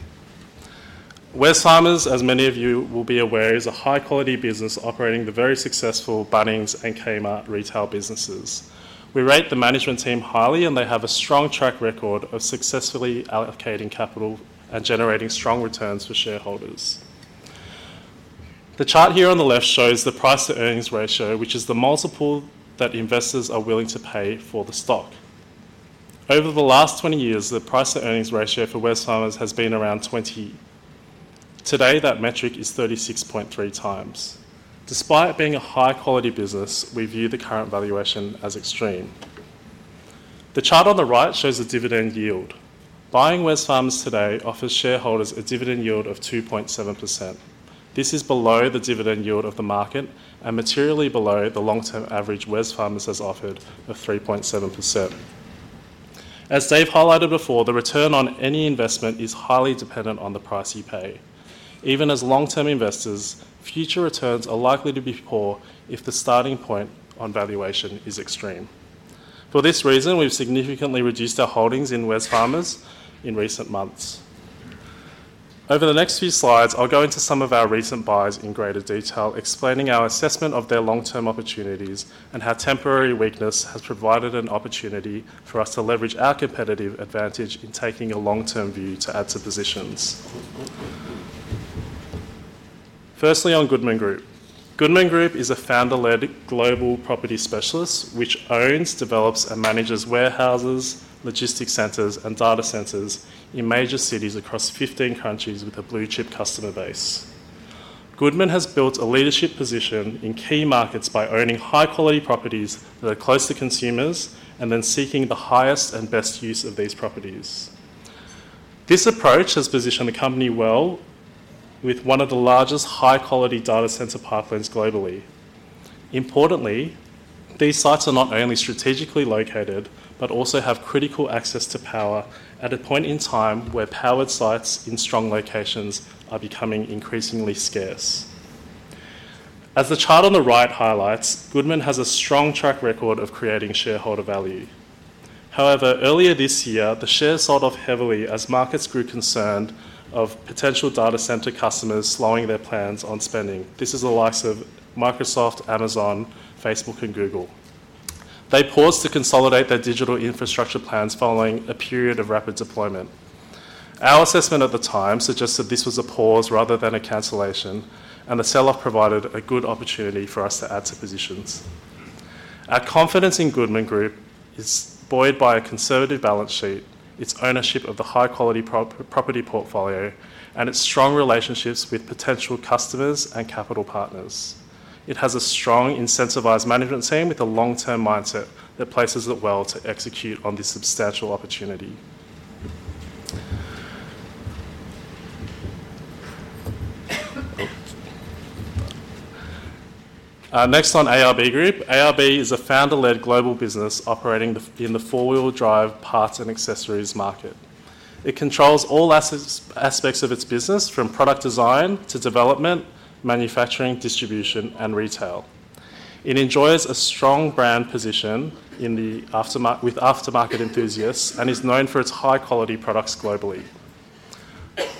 H: Wesfarmers, as many of you will be aware, is a high-quality business operating the very successful Bunnings and Kmart retail businesses. We rate the management team highly, and they have a strong track record of successfully allocating capital and generating strong returns for shareholders. The chart here on the left shows the price-to-earnings ratio, which is the multiple that investors are willing to pay for the stock. Over the last 20 years, the price-to-earnings ratio for Wesfarmers has been around 20. Today, that metric is 36.3x. Despite being a high-quality business, we view the current valuation as extreme. The chart on the right shows the dividend yield. Buying Wesfarmers today offers shareholders a dividend yield of 2.7%. This is below the dividend yield of the market and materially below the long-term average Wesfarmers has offered of 3.7%. As Dave highlighted before, the return on any investment is highly dependent on the price you pay. Even as long-term investors, future returns are likely to be poor if the starting point on valuation is extreme. For this reason, we've significantly reduced our holdings in Wesfarmers in recent months. Over the next few slides, I'll go into some of our recent buys in greater detail, explaining our assessment of their long-term opportunities and how temporary weakness has provided an opportunity for us to leverage our competitive advantage in taking a long-term view to add to positions. Firstly, on Goodman Group. Goodman Group is a founder-led global property specialist which owns, develops, and manages warehouses, logistics centers, and data centers in major cities across 15 countries with a blue-chip customer base. Goodman has built a leadership position in key markets by owning high-quality properties that are close to consumers and then seeking the highest and best use of these properties. This approach has positioned the company well with one of the largest high-quality data center pipelines globally. Importantly, these sites are not only strategically located but also have critical access to power at a point in time where powered sites in strong locations are becoming increasingly scarce. As the chart on the right highlights, Goodman has a strong track record of creating shareholder value. However, earlier this year, the shares sold off heavily as markets grew concerned of potential data center customers slowing their plans on spending. This is the likes of Microsoft, Amazon, Facebook, and Google. They paused to consolidate their digital infrastructure plans following a period of rapid deployment. Our assessment at the time suggested this was a pause rather than a cancellation, and the sell-off provided a good opportunity for us to add to positions. Our confidence in Goodman Group is buoyed by a conservative balance sheet, its ownership of the high-quality property portfolio, and its strong relationships with potential customers and capital partners. It has a strong incentivized management team with a long-term mindset that places it well to execute on this substantial opportunity. Next on ARB Group, ARB is a founder-led global business operating in the four-wheel drive parts and accessories market. It controls all aspects of its business from product design to development, manufacturing, distribution, and retail. It enjoys a strong brand position with aftermarket enthusiasts and is known for its high-quality products globally.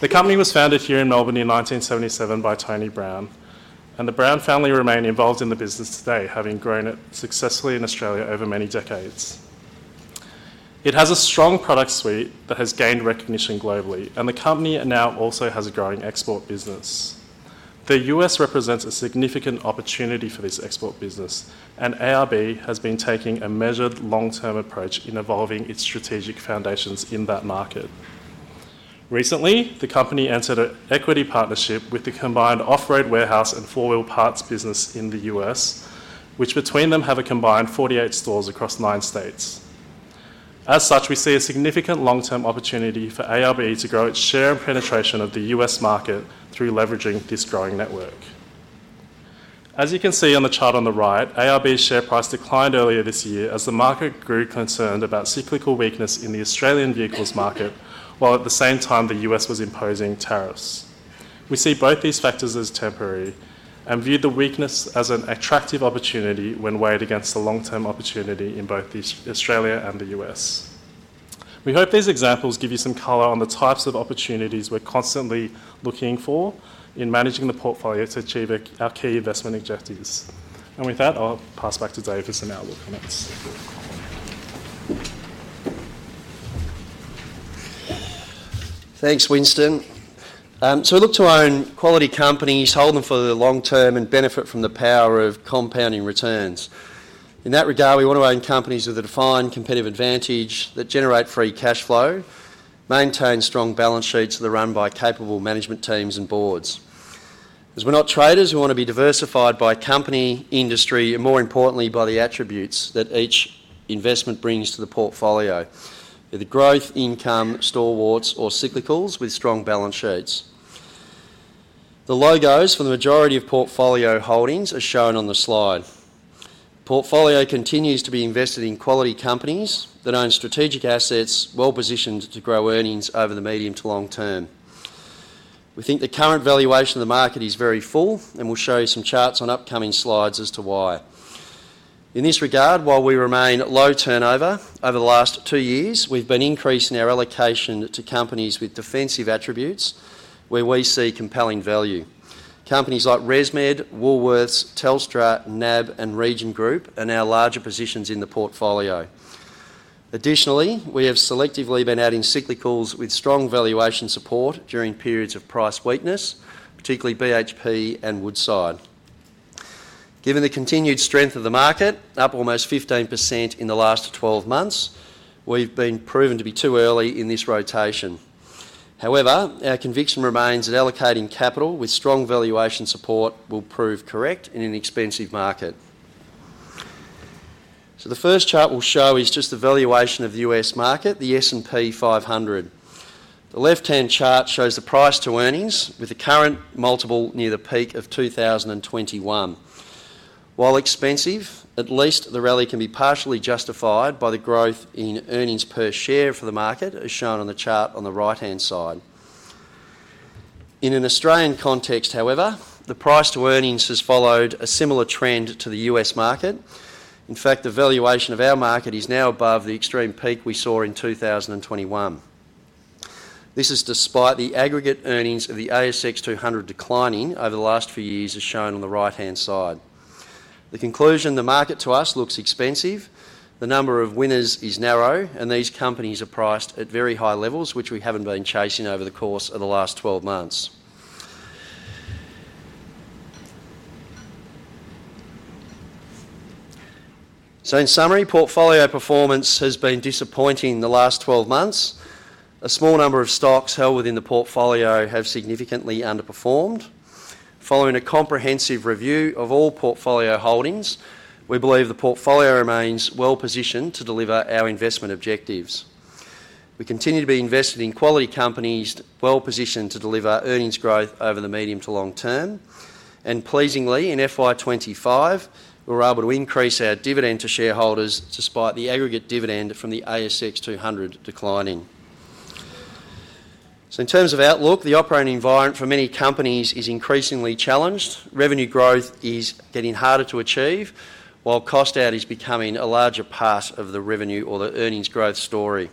H: The company was founded here in Melbourne in 1977 by Tony Brown, and the Brown family remain involved in the business today, having grown it successfully in Australia over many decades. It has a strong product suite that has gained recognition globally, and the company now also has a growing export business. The U.S. represents a significant opportunity for this export business, and ARB has been taking a measured long-term approach in evolving its strategic foundations in that market. Recently, the company entered an equity partnership with the combined Off Road Warehouse and Four Wheel Parts business in the U.S., which between them have a combined 48 stores across nine states. As such, we see a significant long-term opportunity for ARB to grow its share and penetration of the U.S. market through leveraging this growing network. As you can see on the chart on the right, ARB's share price declined earlier this year as the market grew concerned about cyclical weakness in the Australian vehicles market, while at the same time the U.S. was imposing tariffs. We see both these factors as temporary and view the weakness as an attractive opportunity when weighed against the long-term opportunity in both Australia and the U.S. We hope these examples give you some color on the types of opportunities we're constantly looking for in managing the portfolio to achieve our key investment objectives. With that, I'll pass back to Dave for some outlook minutes.
G: Thanks, Winston. To look to own quality companies, hold them for the long term, and benefit from the power of compounding returns. In that regard, we want to own companies with a defined competitive advantage that generate free cash flow, maintain strong balance sheets, and are run by capable management teams and boards. As we're not traders, we want to be diversified by company, industry, and more importantly by the attributes that each investment brings to the portfolio, either growth, income, stalwarts, or cyclicals with strong balance sheets. The logos for the majority of portfolio holdings are shown on the slide. The portfolio continues to be invested in quality companies that own strategic assets, well positioned to grow earnings over the medium to long term. We think the current valuation of the market is very full, and we'll show you some charts on upcoming slides as to why. In this regard, while we remain low turnover over the last two years, we've been increasing our allocation to companies with defensive attributes where we see compelling value. Companies like ResMed, Woolworths, Telstra, NAB, and Region Group are now larger positions in the portfolio. Additionally, we have selectively been adding cyclicals with strong valuation support during periods of price weakness, particularly BHP and Woodside. Given the continued strength of the market, up almost 15% in the last 12 months, we've been proven to be too early in this rotation. However, our conviction remains that allocating capital with strong valuation support will prove correct in an expensive market. The first chart we'll show is just the valuation of the U.S. market, the S&P 500. The left-hand chart shows the price to earnings with the current multiple near the peak of 2021. While expensive, at least the rally can be partially justified by the growth in earnings per share for the market, as shown on the chart on the right-hand side. In an Australian context, however, the price to earnings has followed a similar trend to the U.S. market. In fact, the valuation of our market is now above the extreme peak we saw in 2021. This is despite the aggregate earnings of the ASX 200 declining over the last few years, as shown on the right-hand side. The conclusion, the market to us looks expensive, the number of winners is narrow, and these companies are priced at very high levels, which we haven't been chasing over the course of the last 12 months. In summary, portfolio performance has been disappointing in the last 12 months. A small number of stocks held within the portfolio have significantly underperformed. Following a comprehensive review of all portfolio holdings, we believe the portfolio remains well positioned to deliver our investment objectives. We continue to be invested in quality companies well positioned to deliver earnings growth over the medium to long term. Pleasingly, in FY2025, we were able to increase our dividend to shareholders despite the aggregate dividend from the ASX 200 declining. In terms of outlook, the operating environment for many companies is increasingly challenged. Revenue growth is getting harder to achieve, while cost out is becoming a larger part of the revenue or the earnings growth story.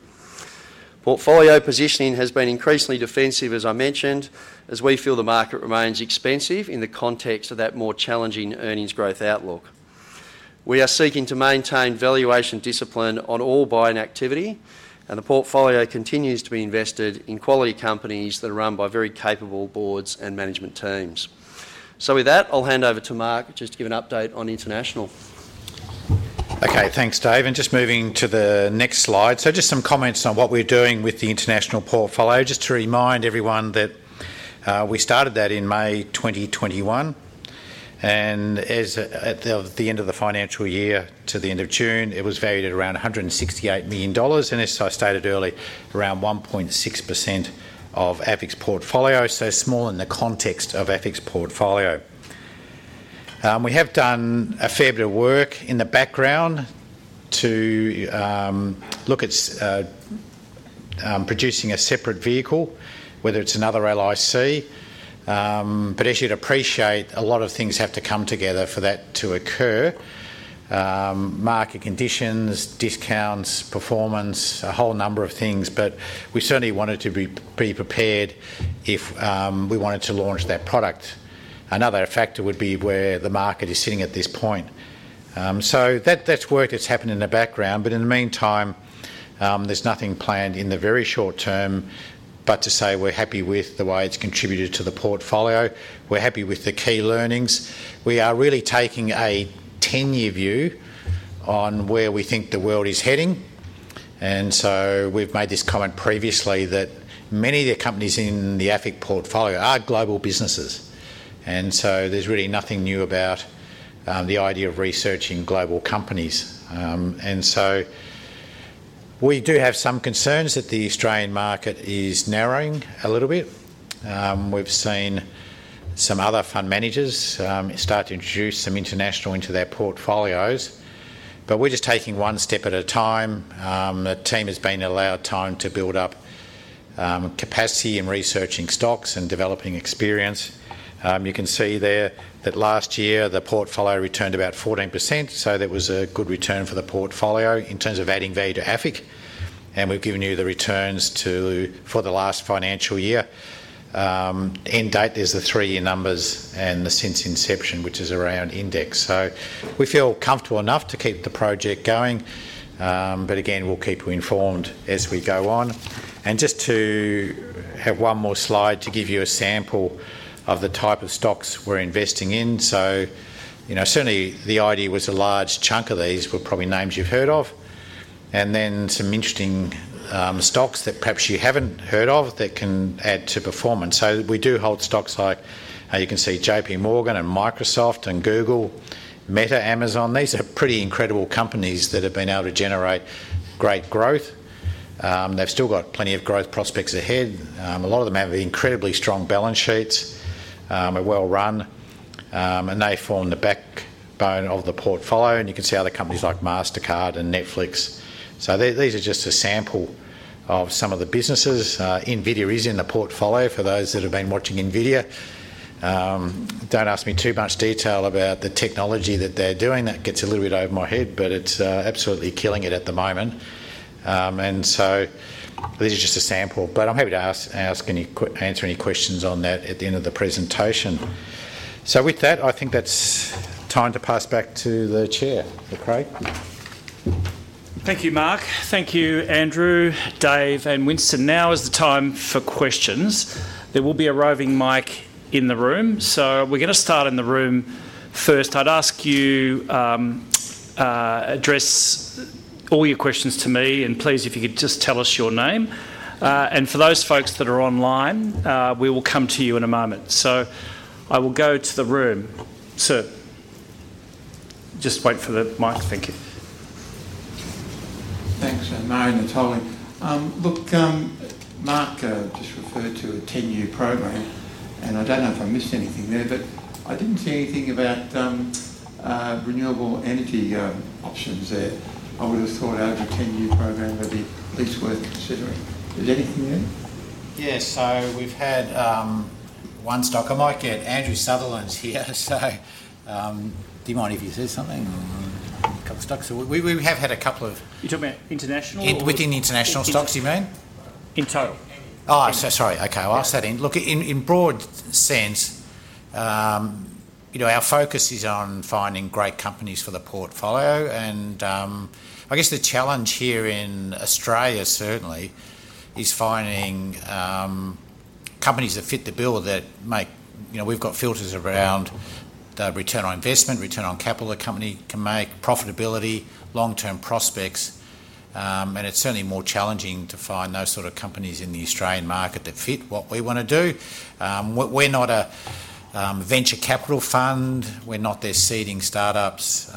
G: Portfolio positioning has been increasingly defensive, as I mentioned, as we feel the market remains expensive in the context of that more challenging earnings growth outlook. We are seeking to maintain valuation discipline on all buying activity, and the portfolio continues to be invested in quality companies that are run by very capable boards and management teams. With that, I'll hand over to Mark just to give an update on international.
B: Okay, thanks, Dave. Just moving to the next slide. Just some comments on what we're doing with the international portfolio, just to remind everyone that we started that in May 2021. At the end of the financial year, to the end of June, it was valued at around 168 million dollars. As I stated earlier, around 1.6% of AFIC's portfolio, so small in the context of AFIC's portfolio. We have done a fair bit of work in the background to look at producing a separate vehicle, whether it's another LIC, but as you'd appreciate, a lot of things have to come together for that to occur: market conditions, discounts, performance, a whole number of things. We certainly wanted to be prepared if we wanted to launch that product. Another factor would be where the market is sitting at this point. That's work that's happened in the background. In the meantime, there's nothing planned in the very short term but to say we're happy with the way it's contributed to the portfolio. We're happy with the key learnings. We are really taking a 10-year view on where we think the world is heading. We've made this comment previously that many of the companies in the AFIC portfolio are global businesses. There's really nothing new about the idea of researching global companies. We do have some concerns that the Australian market is narrowing a little bit. We've seen some other fund managers start to introduce some international into their portfolios, but we're just taking one step at a time. The team has been allowed time to build up capacity in researching stocks and developing experience. You can see there that last year the portfolio returned about 14%. There was a good return for the portfolio in terms of adding value to AFIC. We've given you the returns for the last financial year. End date, there's the three-year numbers and the since inception, which is around index. We feel comfortable enough to keep the project going. We'll keep you informed as we go on. Just to have one more slide to give you a sample of the type of stocks we're investing in. Certainly the idea was a large chunk of these were probably names you've heard of, and then some interesting stocks that perhaps you haven't heard of that can add to performance. We do hold stocks like, you can see, JP Morgan and Microsoft and Google, Meta, Amazon. These are pretty incredible companies that have been able to generate great growth. They've still got plenty of growth prospects ahead. A lot of them have incredibly strong balance sheets, are well run, and they form the backbone of the portfolio. You can see other companies like MasterCard and Netflix. These are just a sample of some of the businesses. Nvidia is in the portfolio for those that have been watching Nvidia. Don't ask me too much detail about the technology that they're doing. That gets a little bit over my head, but it's absolutely killing it at the moment. This is just a sample, but I'm happy to answer any questions on that at the end of the presentation. With that, I think that's time to pass back to the Chair, Craig.
A: Thank you, Mark. Thank you, Andrew, Dave, and Winston. Now is the time for questions. There will be a roving mic in the room. We're going to start in the room first. I'd ask you to address all your questions to me, and please, if you could just tell us your name. For those folks that are online, we will come to you in a moment. I will go to the room. Sir, just wait for the mic. Thank you. Thanks. Mark just referred to a 10-year program, and I don't know if I missed anything there, but I didn't see anything about renewable energy options there. I would have thought out of the 10-year program, that'd be at least worth considering. Is there anything there?
B: Yeah, we've had one stock. I might get Andrew Porter here, do you mind if you say something on a couple of stocks? We have had a couple of. You're talking about international? Within international stocks, you mean? In total. Sorry. Okay, I'll ask that in. Look, in a broad sense, our focus is on finding great companies for the portfolio, and I guess the challenge here in Australia certainly is finding companies that fit the bill that make, you know, we've got filters around the return on investment, return on capital a company can make, profitability, long-term prospects, and it's certainly more challenging to find those sort of companies in the Australian market that fit what we want to do. We're not a venture capital fund. We're not there seeding startups.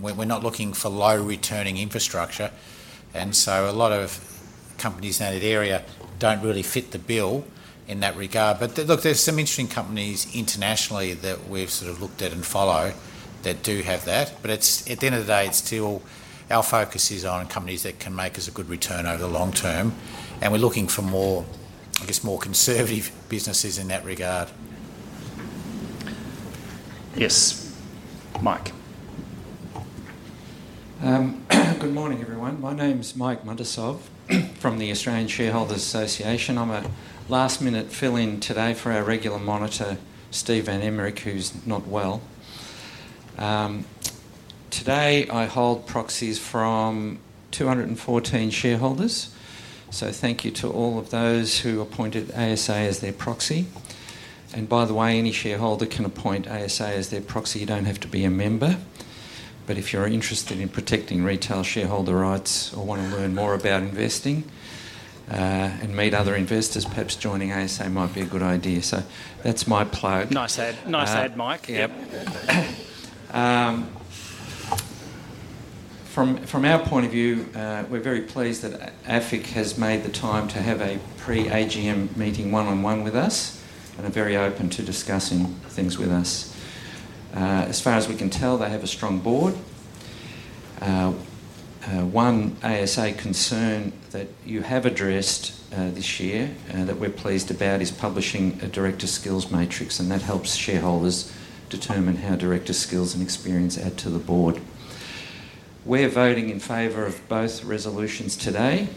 B: We're not looking for low-returning infrastructure. A lot of companies in that area don't really fit the bill in that regard. There's some interesting companies internationally that we've sort of looked at and followed that do have that. At the end of the day, our focus is on companies that can make us a good return over the long term. We're looking for more, I guess, more conservative businesses in that regard.
A: Yes, Mike.
I: Good morning, everyone. My name is Mike Muntisov from the Australian Shareholders Association. I'm a last-minute fill-in today for our regular monitor, Steve Van Emmerik, who's not well. Today, I hold proxies from 214 shareholders. Thank you to all of those who appointed ASA as their proxy. By the way, any shareholder can appoint ASA as their proxy. You don't have to be a member. If you're interested in protecting retail shareholder rights or want to learn more about investing and meet other investors, perhaps joining ASA might be a good idea. That's my plug.
A: Nice ad, Mike.
I: From our point of view, we're very pleased that AFIC has made the time to have a pre-AGM meeting one-on-one with us and are very open to discussing things with us. As far as we can tell, they have a strong board. One ASA concern that you have addressed this year that we're pleased about is publishing a director skills matrix, and that helps shareholders determine how director skills and experience add to the board. We're voting in favor of both resolutions today.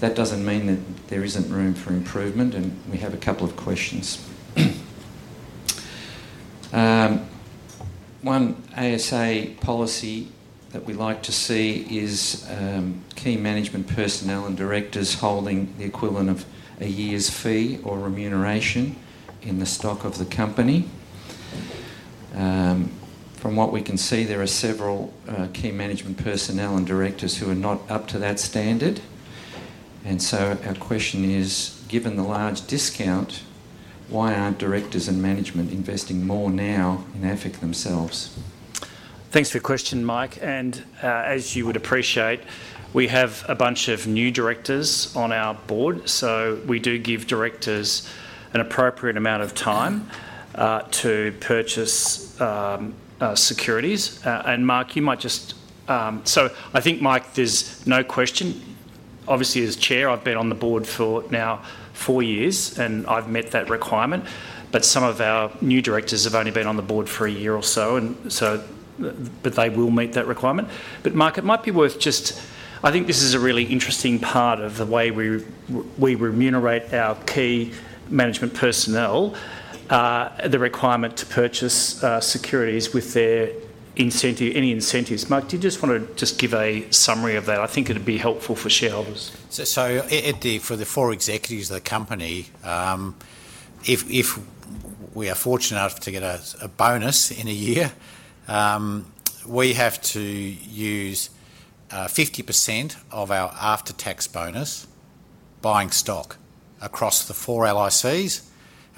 I: That doesn't mean that there isn't room for improvement, and we have a couple of questions. One ASA policy that we like to see is key management personnel and directors holding the equivalent of a year's fee or remuneration in the stock of the company. From what we can see, there are several key management personnel and directors who are not up to that standard. Our question is, given the large discount, why aren't directors and management investing more now in AFIC themselves?
A: Thanks for your question, Mike. As you would appreciate, we have a bunch of new directors on our board. We do give directors an appropriate amount of time to purchase securities. Mike, there's no question. Obviously, as Chair, I've been on the board for now four years, and I've met that requirement. Some of our new directors have only been on the board for a year or so, and they will meet that requirement. Mark, it might be worth just, I think this is a really interesting part of the way we remunerate our key management personnel, the requirement to purchase securities with their any incentives. Mark, do you just want to give a summary of that? I think it'd be helpful for shareholders.
B: For the four executives of the company, if we are fortunate enough to get a bonus in a year, we have to use 50% of our after-tax bonus buying stock across the four LICs.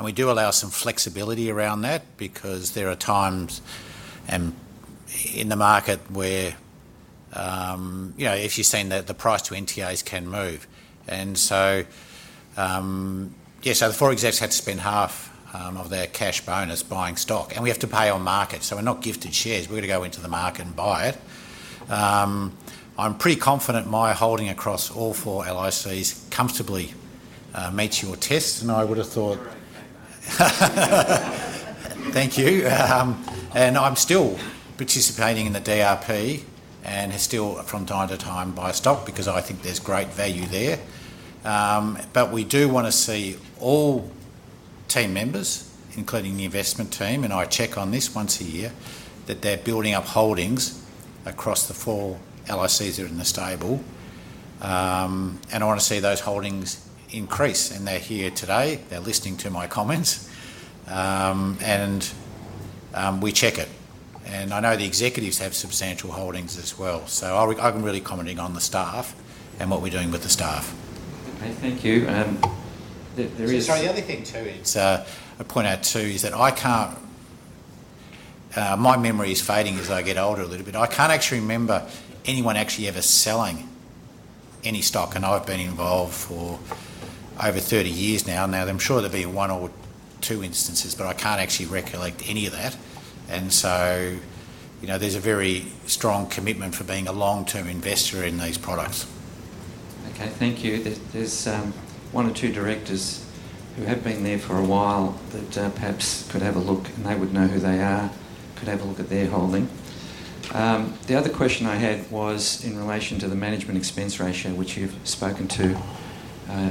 B: We do allow some flexibility around that because there are times in the. If you're saying that the price to NTAs can move, the four execs had to spend half of their cash bonus buying stock. We have to pay on market, so we're not gifted shares. We're going to go into the market and buy it. I'm pretty confident my holding across all four LICs comfortably meets your tests. I would have thought, thank you. I'm still participating in the DRP and still, from time to time, buy stock because I think there's great value there. We do want to see all team members, including the investment team, and I check on this once a year, that they're building up holdings across the four LICs that are in the stable. I want to see those holdings increase. They're here today, they're listening to my comments, and we check it. I know the executives have substantial holdings as well. I'm really commenting on the staff and what we're doing with the staff.
I: Okay, thank you.
B: The other thing to point out is that I can't, my memory is fading as I get older a little bit. I can't actually remember anyone ever selling any stock, and I've been involved for over 30 years now. I'm sure there'll be one or two instances, but I can't actually recollect any of that. There's a very strong commitment for being a long-term investor in these products.
I: Okay, thank you. There's one or two directors who have been there for a while that perhaps could have a look, and they would know who they are, could have a look at their holding. The other question I had was in relation to the management expense ratio, which you've spoken to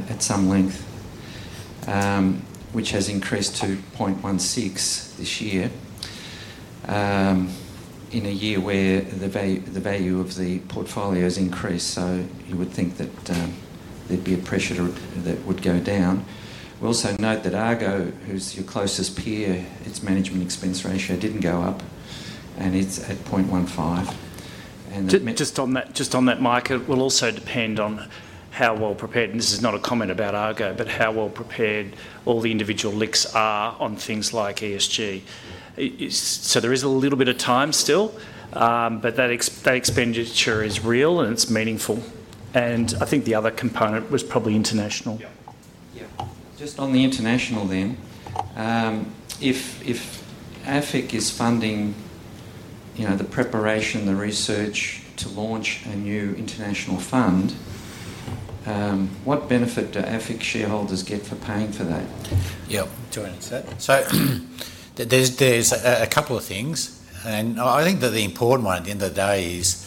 I: at some length, which has increased to 0.16% this year in a year where the value of the portfolio has increased. You would think that there'd be a pressure that would go down. We also note that Argo, who's your closest peer, its management expense ratio didn't go up, and it's at 0.15%.
A: It will also depend on how well prepared, and this is not a comment about Argo, but how well prepared all the individual LICs are on things like ESG. There is a little bit of time still, but that expenditure is real and it's meaningful. I think the other component was probably international.
I: Yeah, just on the international then, if AFIC is funding, you know, the preparation, the research to launch a new international fund, what benefit do AFIC shareholders get for paying for that?
B: Yeah, I'm doing it. There's a couple of things. I think that the important one at the end of the day is,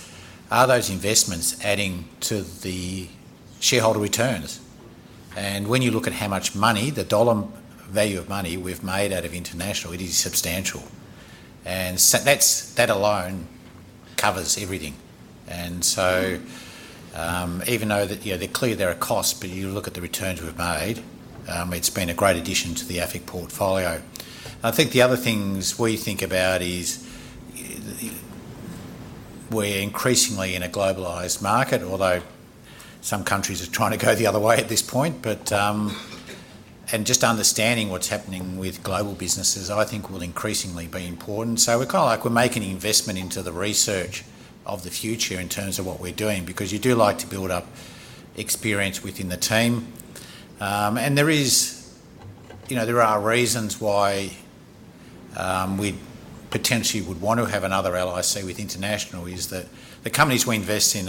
B: are those investments adding to the shareholder returns? When you look at how much money, the dollar value of money we've made out of international, it is substantial. That alone covers everything. Even though there are costs, you look at the returns we've made, it's been a great addition to the AFIC portfolio. I think the other things we think about is we're increasingly in a globalized market, although some countries are trying to go the other way at this point. Just understanding what's happening with global businesses, I think will increasingly be important. We're kind of like, we're making an investment into the research of the future in terms of what we're doing, because you do like to build up experience within the team. There are reasons why we potentially would want to have another LIC with international, as the companies we invest in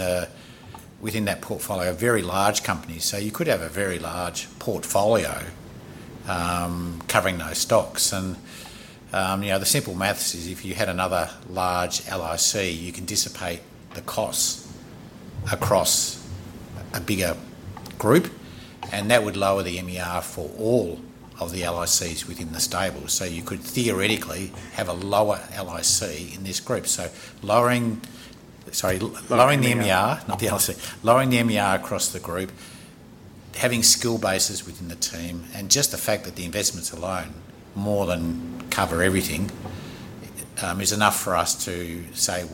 B: within that portfolio are very large companies. You could have a very large portfolio covering those stocks. The simple math is if you had another large LIC, you can dissipate the costs across a bigger group. That would lower the MER for all of the LICs within the stable. You could theoretically have a lower MER in this group. Lowering the MER across the group, having skill bases within the team, and just the fact that the investments alone more than cover everything is enough for us to say,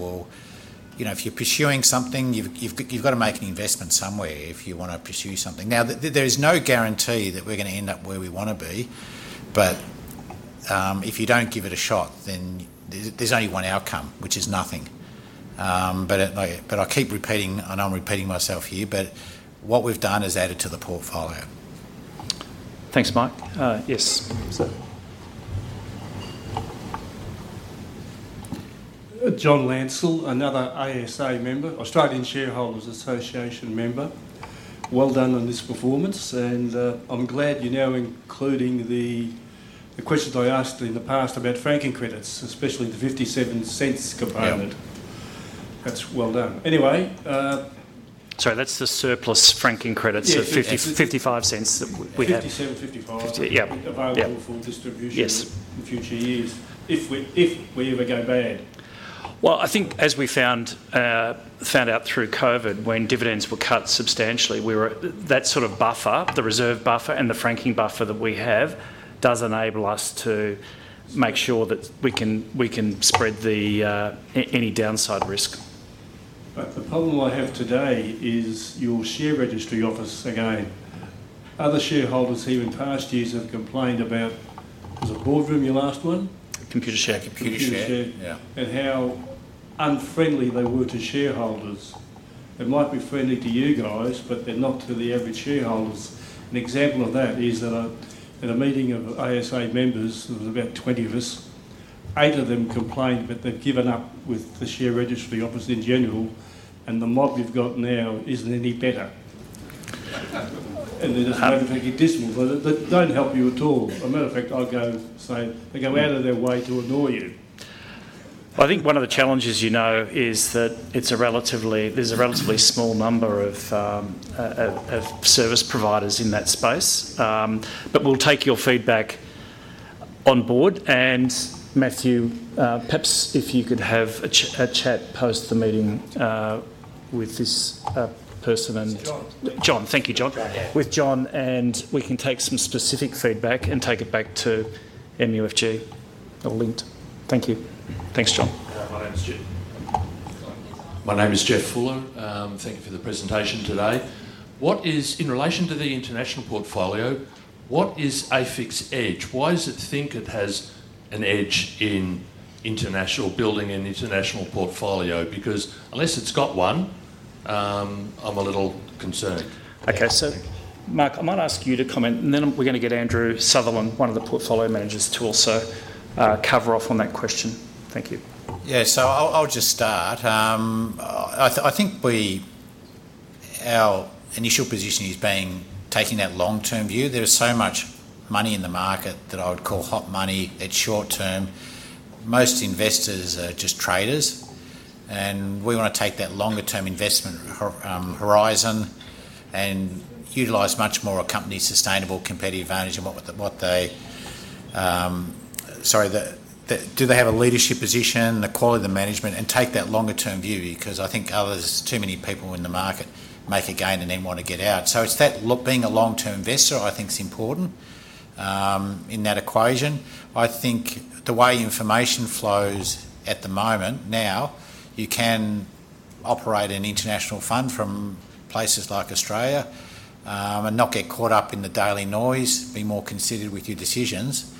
B: if you're pursuing something, you've got to make an investment somewhere if you want to pursue something. There is no guarantee that we're going to end up where we want to be. If you don't give it a shot, then there's only one outcome, which is nothing. I keep repeating, and I'm repeating myself here, but what we've done is added to the portfolio.
A: Thanks, Mike. Yes, sir? John Lancel, another Australian Shareholders Association member. Well done on this performance. I'm glad you're now including the questions I asked in the past about franking credits, especially the 0.57 component. That's well done. Anyway. That's the surplus franking credits, 0.55 that we have. 57, 55. Available for distribution in future years if we ever go bad. I think as we found out through COVID when dividends were cut substantially, that sort of buffer, the reserve buffer and the franked buffer that we have does enable us to make sure that we can spread any downside risk. The problem I have today is your share registry office. Again, other shareholders here in past years have complained about, was it Boardroom, your last one? Computershare. Computershare. Yeah. How unfriendly they were to shareholders. It might be friendly to you guys, but they're not to the average shareholders. An example of that is that at a meeting of ASA members, there were about 20 of us. Eight of them complained, but they've given up with the share registry office in general. The mob you've got now isn't any better. They don't have a very good dismal, but they don't help you at all. As a matter of fact, I go and say they go out of their way to annoy you. I think one of the challenges is that there's a relatively small number of service providers in that space. We'll take your feedback on board. Matthew, perhaps if you could have a chat post the meeting with this person. John. John, thank you, John. With John, we can take some specific feedback and take it back to MUFG link. Thank you. Thanks, John. My name is Jeff Fuller. Thank you for the presentation today. In relation to the international portfolio, what is AFIC's edge? Why does it think it has an edge in building an international portfolio? Because unless it's got one, I'm a little concerned. Okay, so Mark, I might ask you to comment, and then we're going to get Andrew Sutherland, one of the Portfolio Managers, to also cover off on that question. Thank you.
B: Yeah. I think our initial position is being taking that long-term view. There's so much money in the market that I would call hot money at short term. Most investors are just traders, and we want to take that longer-term investment horizon and utilize much more a company's sustainable competitive advantage and what they, sorry, do they have a leadership position, the quality of the management, and take that longer-term view because I think others, too many people in the market make a gain and then want to get out. It's that look, being a long-term investor, I think is important in that equation. I think the way information flows at the moment now, you can operate an international fund from places like Australia and not get caught up in the daily noise, be more considerate with your decisions,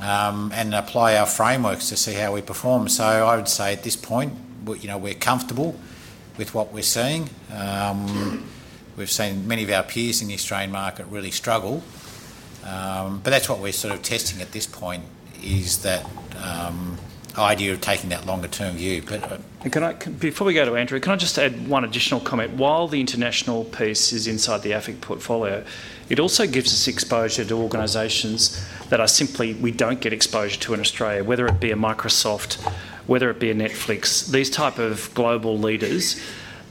B: and apply our frameworks to see how we perform. I would say at this point, you know, we're comfortable with what we're seeing. We've seen many of our peers in the Australian market really struggle. That's what we're sort of testing at this point is that idea of taking that longer-term view.
A: Before we go to Andrew, can I just add one additional comment? While the international piece is inside the AFIC portfolio, it also gives us exposure to organizations that are simply, we don't get exposure to in Australia, whether it be a Microsoft, whether it be a Netflix, these types of global leaders,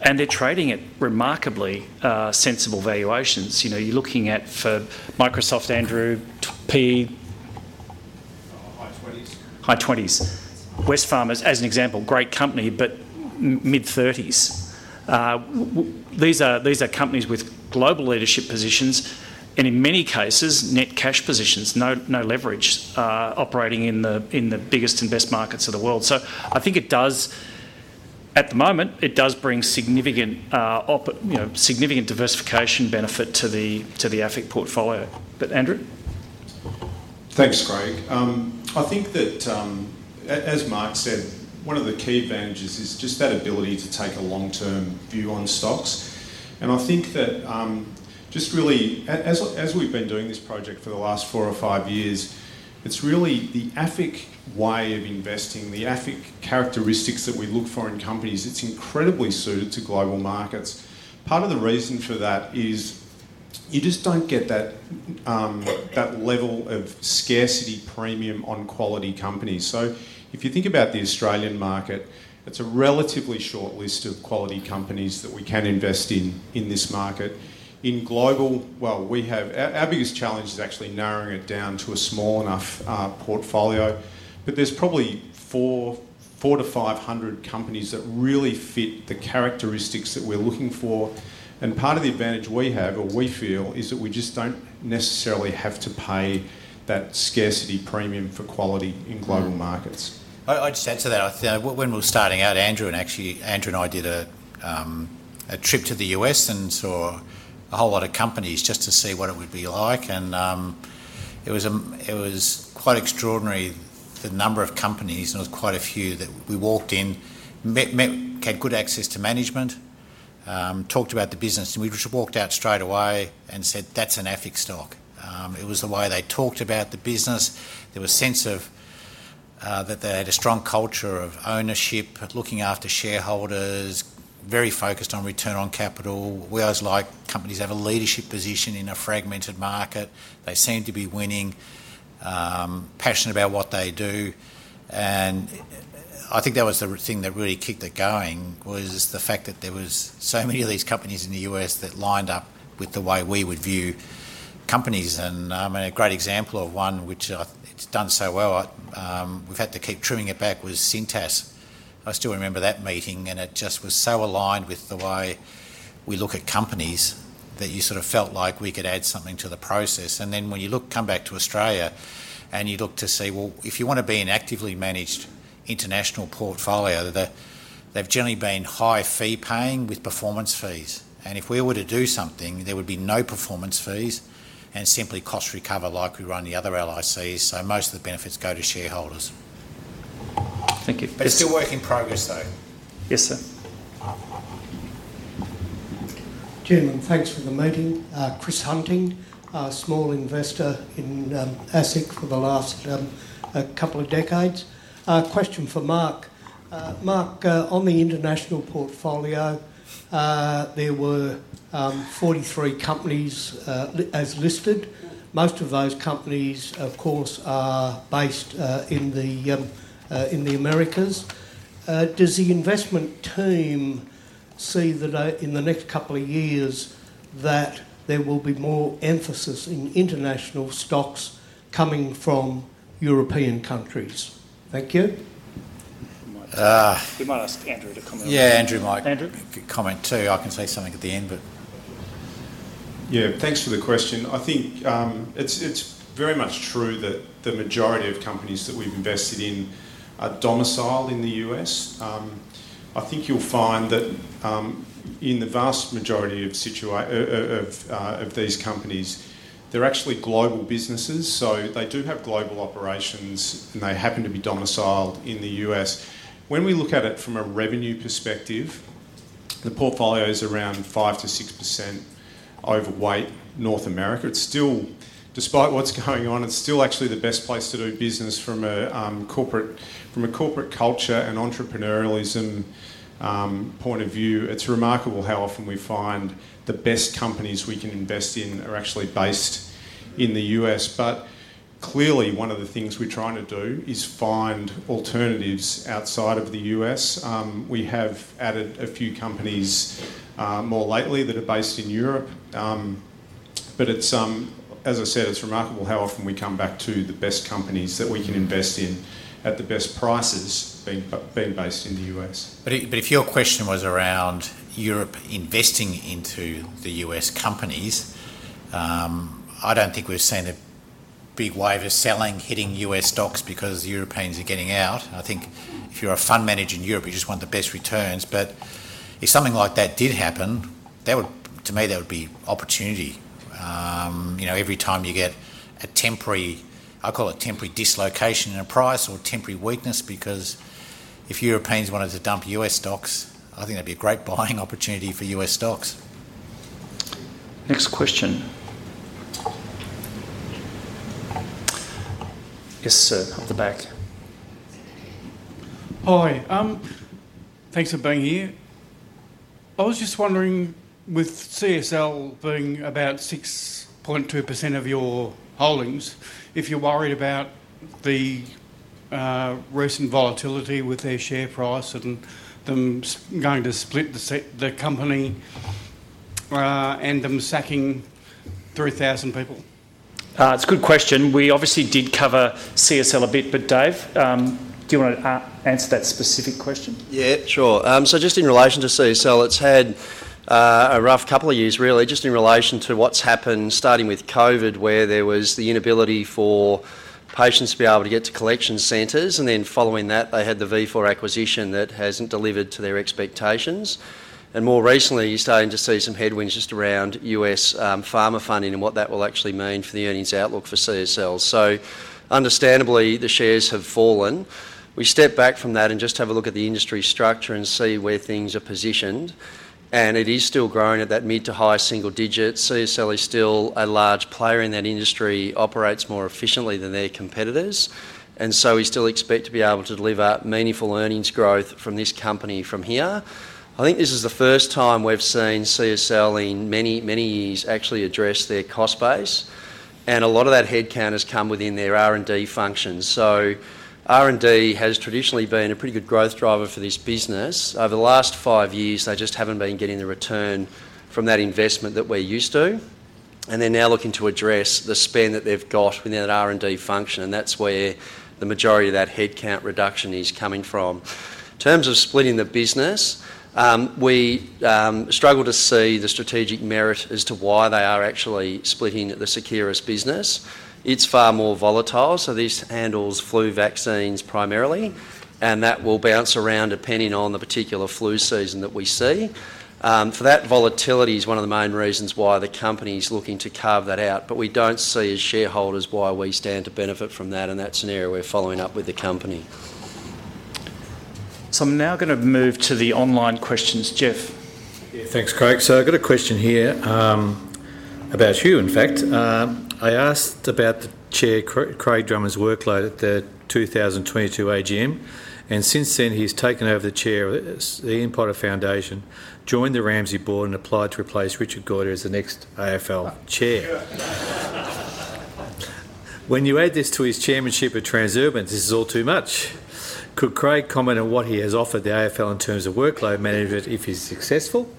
A: and they're trading at remarkably sensible valuations. You're looking at, for Microsoft, Andrew, P, high 20s. Wesfarmers as an example, great company, but mid-30s. These are companies with global leadership positions and in many cases, net cash positions, no leverage, operating in the biggest investment markets of the world. I think it does, at the moment, bring significant, you know, significant diversification benefit to the AFIC portfolio. But Andrew?
J: Thanks, Craig. I think that, as Mark said, one of the key advantages is just that ability to take a long-term view on stocks. I think that just really, as we've been doing this project for the last four or five years, it's really the AFIC way of investing, the AFIC characteristics that we look for in companies. It's incredibly suited to global markets. Part of the reason for that is you just don't get that level of scarcity premium on quality companies. If you think about the Australian market, it's a relatively short list of quality companies that we can invest in in this market. In global, our biggest challenge is actually narrowing it down to a small enough portfolio. There's probably 400 to 500 companies that really fit the characteristics that we're looking for. Part of the advantage we have, or we feel, is that we just don't necessarily have to pay that scarcity premium for quality in global markets.
B: I'd add to that, I think when we were starting out, Andrew and actually, Andrew and I did a trip to the U.S. and saw a whole lot of companies just to see what it would be like. It was quite extraordinary, the number of companies, and it was quite a few that we walked in, met, had good access to management, talked about the business, and we just walked out straight away and said, that's an AFIC stock. It was the way they talked about the business. There was a sense that they had a strong culture of ownership, looking after shareholders, very focused on return on capital. We always like companies that have a leadership position in a fragmented market. They seem to be winning, passionate about what they do. I think that was the thing that really kicked it going, the fact that there were so many of these companies in the U.S. that lined up with the way we would view companies. I mean, a great example of one which has done so well, we've had to keep trimming it back, was [Cintas]. I still remember that meeting and it just was so aligned with the way we look at companies that you sort of felt like we could add something to the process. When you come back to Australia and you look to see, if you want to be an actively managed international portfolio, they've generally been high fee paying with performance fees. If we were to do something, there would be no performance fees and simply cost recover like we run the other LICs. Most of the benefits go to shareholders. Thank you.
A: It is still a work in progress, though. Yes, sir. Gentlemen, thanks for the meeting. Chris Hunting, a small investor in AFIC for the last couple of decades. Question for Mark. Mark, on the international portfolio, there were 43 companies as listed. Most of those companies, of course, are based in the Americas. Does the investment team see that in the next couple of years that there will be more emphasis in international stocks coming from European countries? Thank you. We might ask Andrew to comment. Yeah.
B: Andrew might comment too. I can say something at the end.
E: Yeah, thanks for the question. I think it's very much true that the majority of companies that we've invested in are domiciled in the U.S. I think you'll find that in the vast majority of these companies, they're actually global businesses. They do have global operations and they happen to be domiciled in the U.S. When we look at it from a revenue perspective, the portfolio is around 5%-6% overweight North America. It's still, despite what's going on, actually the best place to do business from a corporate culture and entrepreneurialism point of view. It's remarkable how often we find the best companies we can invest in are actually based in the U.S. Clearly, one of the things we're trying to do is find alternatives outside of the U.S. We have added a few companies more lately that are based in Europe. As I said, it's remarkable how often we come back to the best companies that we can invest in at the best prices being based in the U.S.
B: If your question was around Europe investing into U.S. companies, I don't think we've seen a big wave of selling hitting U.S. stocks because Europeans are getting out. I think if you're a fund manager in Europe, you just want the best returns. If something like that did happen, to me, that would be opportunity. Every time you get a temporary, I call it temporary dislocation in a price or temporary weakness, because if Europeans wanted to dump U.S. stocks, I think that'd be a great buying opportunity for U.S. stocks.
A: Next question. Yes, sir, off the back. Hi, thanks for being here. I was just wondering, with CSL being about 6.2% of your holdings, if you're worried about the recent volatility with their share price and them going to split the company and them sacking 3,000 people. It's a good question. We obviously did cover CSL a bit, but Dave, do you want to answer that specific question?
G: Yeah. Sure. Just in relation to CSL, it's had a rough couple of years, really, just in relation to what's happened starting with COVID, where there was the inability for patients to be able to get to collection centers. Following that, they had the Vifor acquisition that hasn't delivered to their expectations. More recently, you're starting to see some headwinds just around U.S. pharma funding and what that will actually mean for the earnings outlook for CSL. Understandably, the shares have fallen. We stepped back from that and just have a look at the industry structure and see where things are positioned. It is still growing at that mid to high single digit. CSL is still a large player in that industry, operates more efficiently than their competitors, and we still expect to be able to deliver meaningful earnings growth from this company from here. I think this is the first time we've seen CSL in many, many years actually address their cost base. A lot of that headcount has come within their R&D functions. R&D has traditionally been a pretty good growth driver for this business. Over the last five years, they just haven't been getting the return from that investment that we're used to. They're now looking to address the spend that they've got within an R&D function, and that's where the majority of that headcount reduction is coming from. In terms of splitting the business, we struggle to see the strategic merit as to why they are actually splitting the Seqirus business. It's far more volatile. This handles flu vaccines primarily, and that will bounce around depending on the particular flu season that we see. That volatility is one of the main reasons why the company is looking to carve that out. We don't see as shareholders why we stand to benefit from that in that scenario. We're following up with the company.
A: I'm now going to move to the online questions, Geoff. Yeah.
F: Thanks, Craig. I've got a question here about you, in fact. I asked about the Chair Craig Drummond's workload at the 2022 AGM. Since then, he's taken over the chair of the Impotter Foundation, joined the Ramsay board, and applied to replace Richard Goyder as the next AFL Chair. When you add this to his chairmanship at Transurban, this is all too much. Could Craig comment on what he has offered the AFL in terms of workload management if he's successful?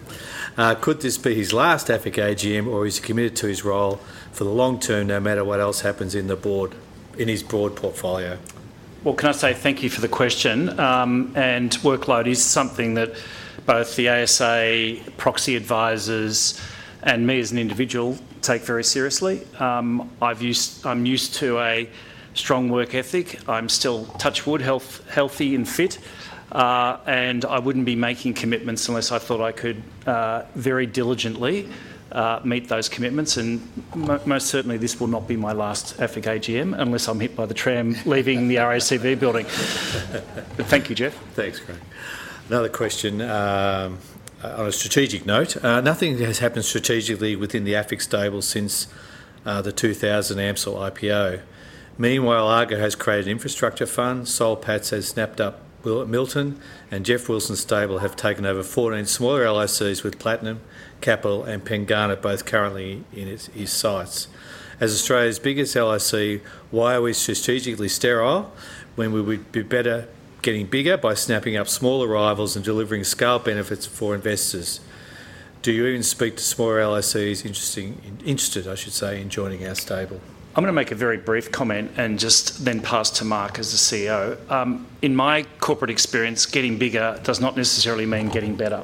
F: Could this be his last AFIC AGM or is he committed to his role for the long term no matter what else happens in the board, in his broad portfolio?
A: Thank you for the question. Workload is something that both the AASA proxy advisors and me as an individual take very seriously. I'm used to a strong work ethic. I'm still, touch wood, healthy and fit. I wouldn't be making commitments unless I thought I could very diligently meet those commitments. Most certainly, this will not be my last AFIC AGM unless I'm hit by the tram leaving the RACV building. Thank you, Geoff.
F: Thanks, Craig. Another question on a strategic note. Nothing has happened strategically within the AFIC stable since the 2000 AMCIL IPO. Meanwhile, Argo has created an infrastructure fund, Sol Patts has snapped up Wilton, and Jeff Wilson's stable have taken over 14 smaller LICs with Platinum Capital and Pengana, both currently in his sights. As Australia's biggest LIC, why are we strategically sterile when we would be better getting bigger by snapping up smaller rivals and delivering scale benefits for investors? Do you even speak to smaller LICs interested, I should say, in joining our stable?
A: I'm going to make a very brief comment and then pass to Mark as the CEO. In my corporate experience, getting bigger does not necessarily mean getting better.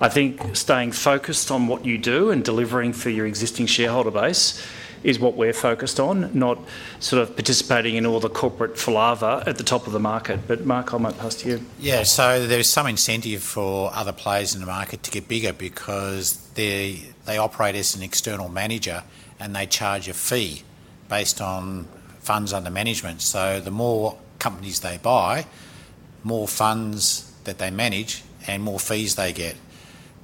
A: I think staying focused on what you do and delivering for your existing shareholder base is what we're focused on, not participating in all the corporate flava at the top of the market. Mark, I might pass to you.
B: Yeah. There's some incentive for other players in the market to get bigger because they operate as an external manager, and they charge a fee based on funds under management. The more companies they buy, the more funds that they manage and more fees they get.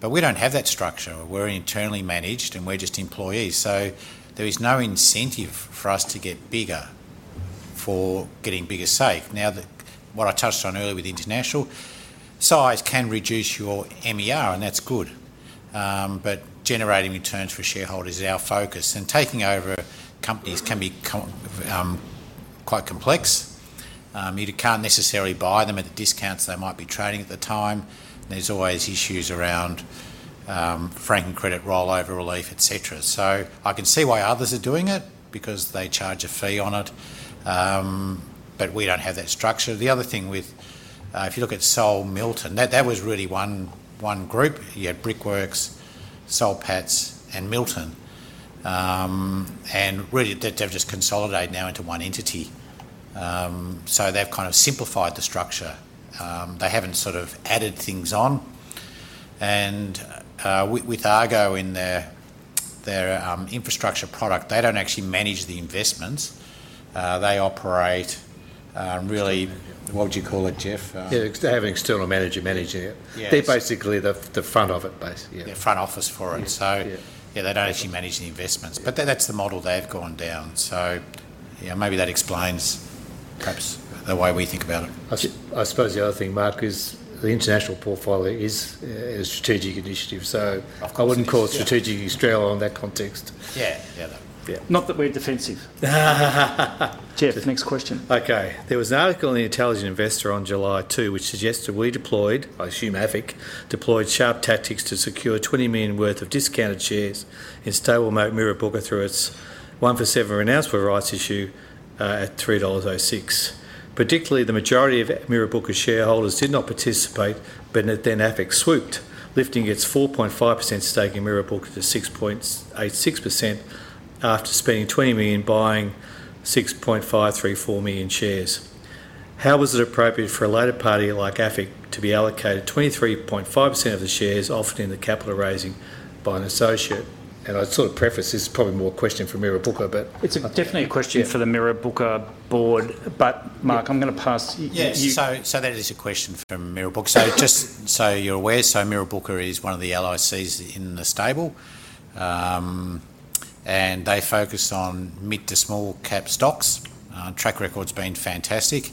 B: We don't have that structure. We're internally managed, and we're just employees. There is no incentive for us to get bigger for getting bigger's sake. What I touched on earlier with international size can reduce your MER, and that's good. Generating returns for shareholders is our focus. Taking over companies can be quite complex. You can't necessarily buy them at the discounts they might be trading at the time, and there's always issues around franking credit rollover relief, et cetera. I can see why others are doing it because they charge a fee on it. We don't have that structure. The other thing, if you look at Soul, Milton, that was really one group. You had Brickworks, Soul Patts, and Milton. They've just consolidated now into one entity. They've kind of simplified the structure. They haven't sort of added things on. With Argo in their infrastructure product, they don't actually manage the investments. They operate really, what do you call it, Geoff? Yeah.
F: They have an external manager managing it. They're basically the front office base.
B: Yeah, front office for it. They don't actually manage the investments, but that's the model they've gone down. Maybe that explains perhaps the way we think about it.
A: I suppose the other thing, Mark, is the international portfolio is a strategic initiative. I wouldn't call it strategic Australia in that context.
B: Yeah,
A: Not that we're defensive. Geoff, next question.
F: Okay. There was an article in the Intelligent Investor on July 2 which suggested we deployed, I assume AFIC deployed, sharp tactics to secure 20 million worth of discounted shares in stable Mirrabooka. One for seven were announced with a rights issue at 3.06 dollars. Predictably, the majority of Mirrabooka shareholders did not participate, but then AFIC swooped, lifting its 4.5% stake in Mirrabooka to 6.86% after spending 20 million buying 6.534 million shares. How was it appropriate for a later party like AFIC to be allocated 23.5% of the shares, often in the capital raising by an associate? I sort of preface, this is probably more a question for Mirrabooka, but.
A: It's definitely a question for the Mirrabooka board. Mark, I'm going to pass.
B: Yes, that is a question for Mirrabooka. Just so you're aware, Mirrabooka is one of the LICs in the stable, and they focus on mid to small cap stocks. Track record's been fantastic,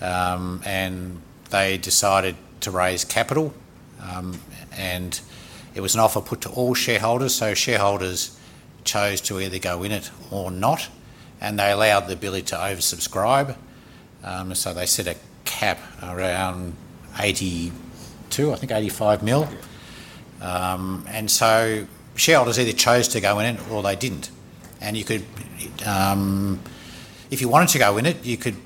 B: and they decided to raise capital. It was an offer put to all shareholders, so shareholders chose to either go in it or not, and they allowed the ability to oversubscribe. They set a cap around 82 million, I think 85 million, and shareholders either chose to go in it or they didn't. If you wanted to go in it, you could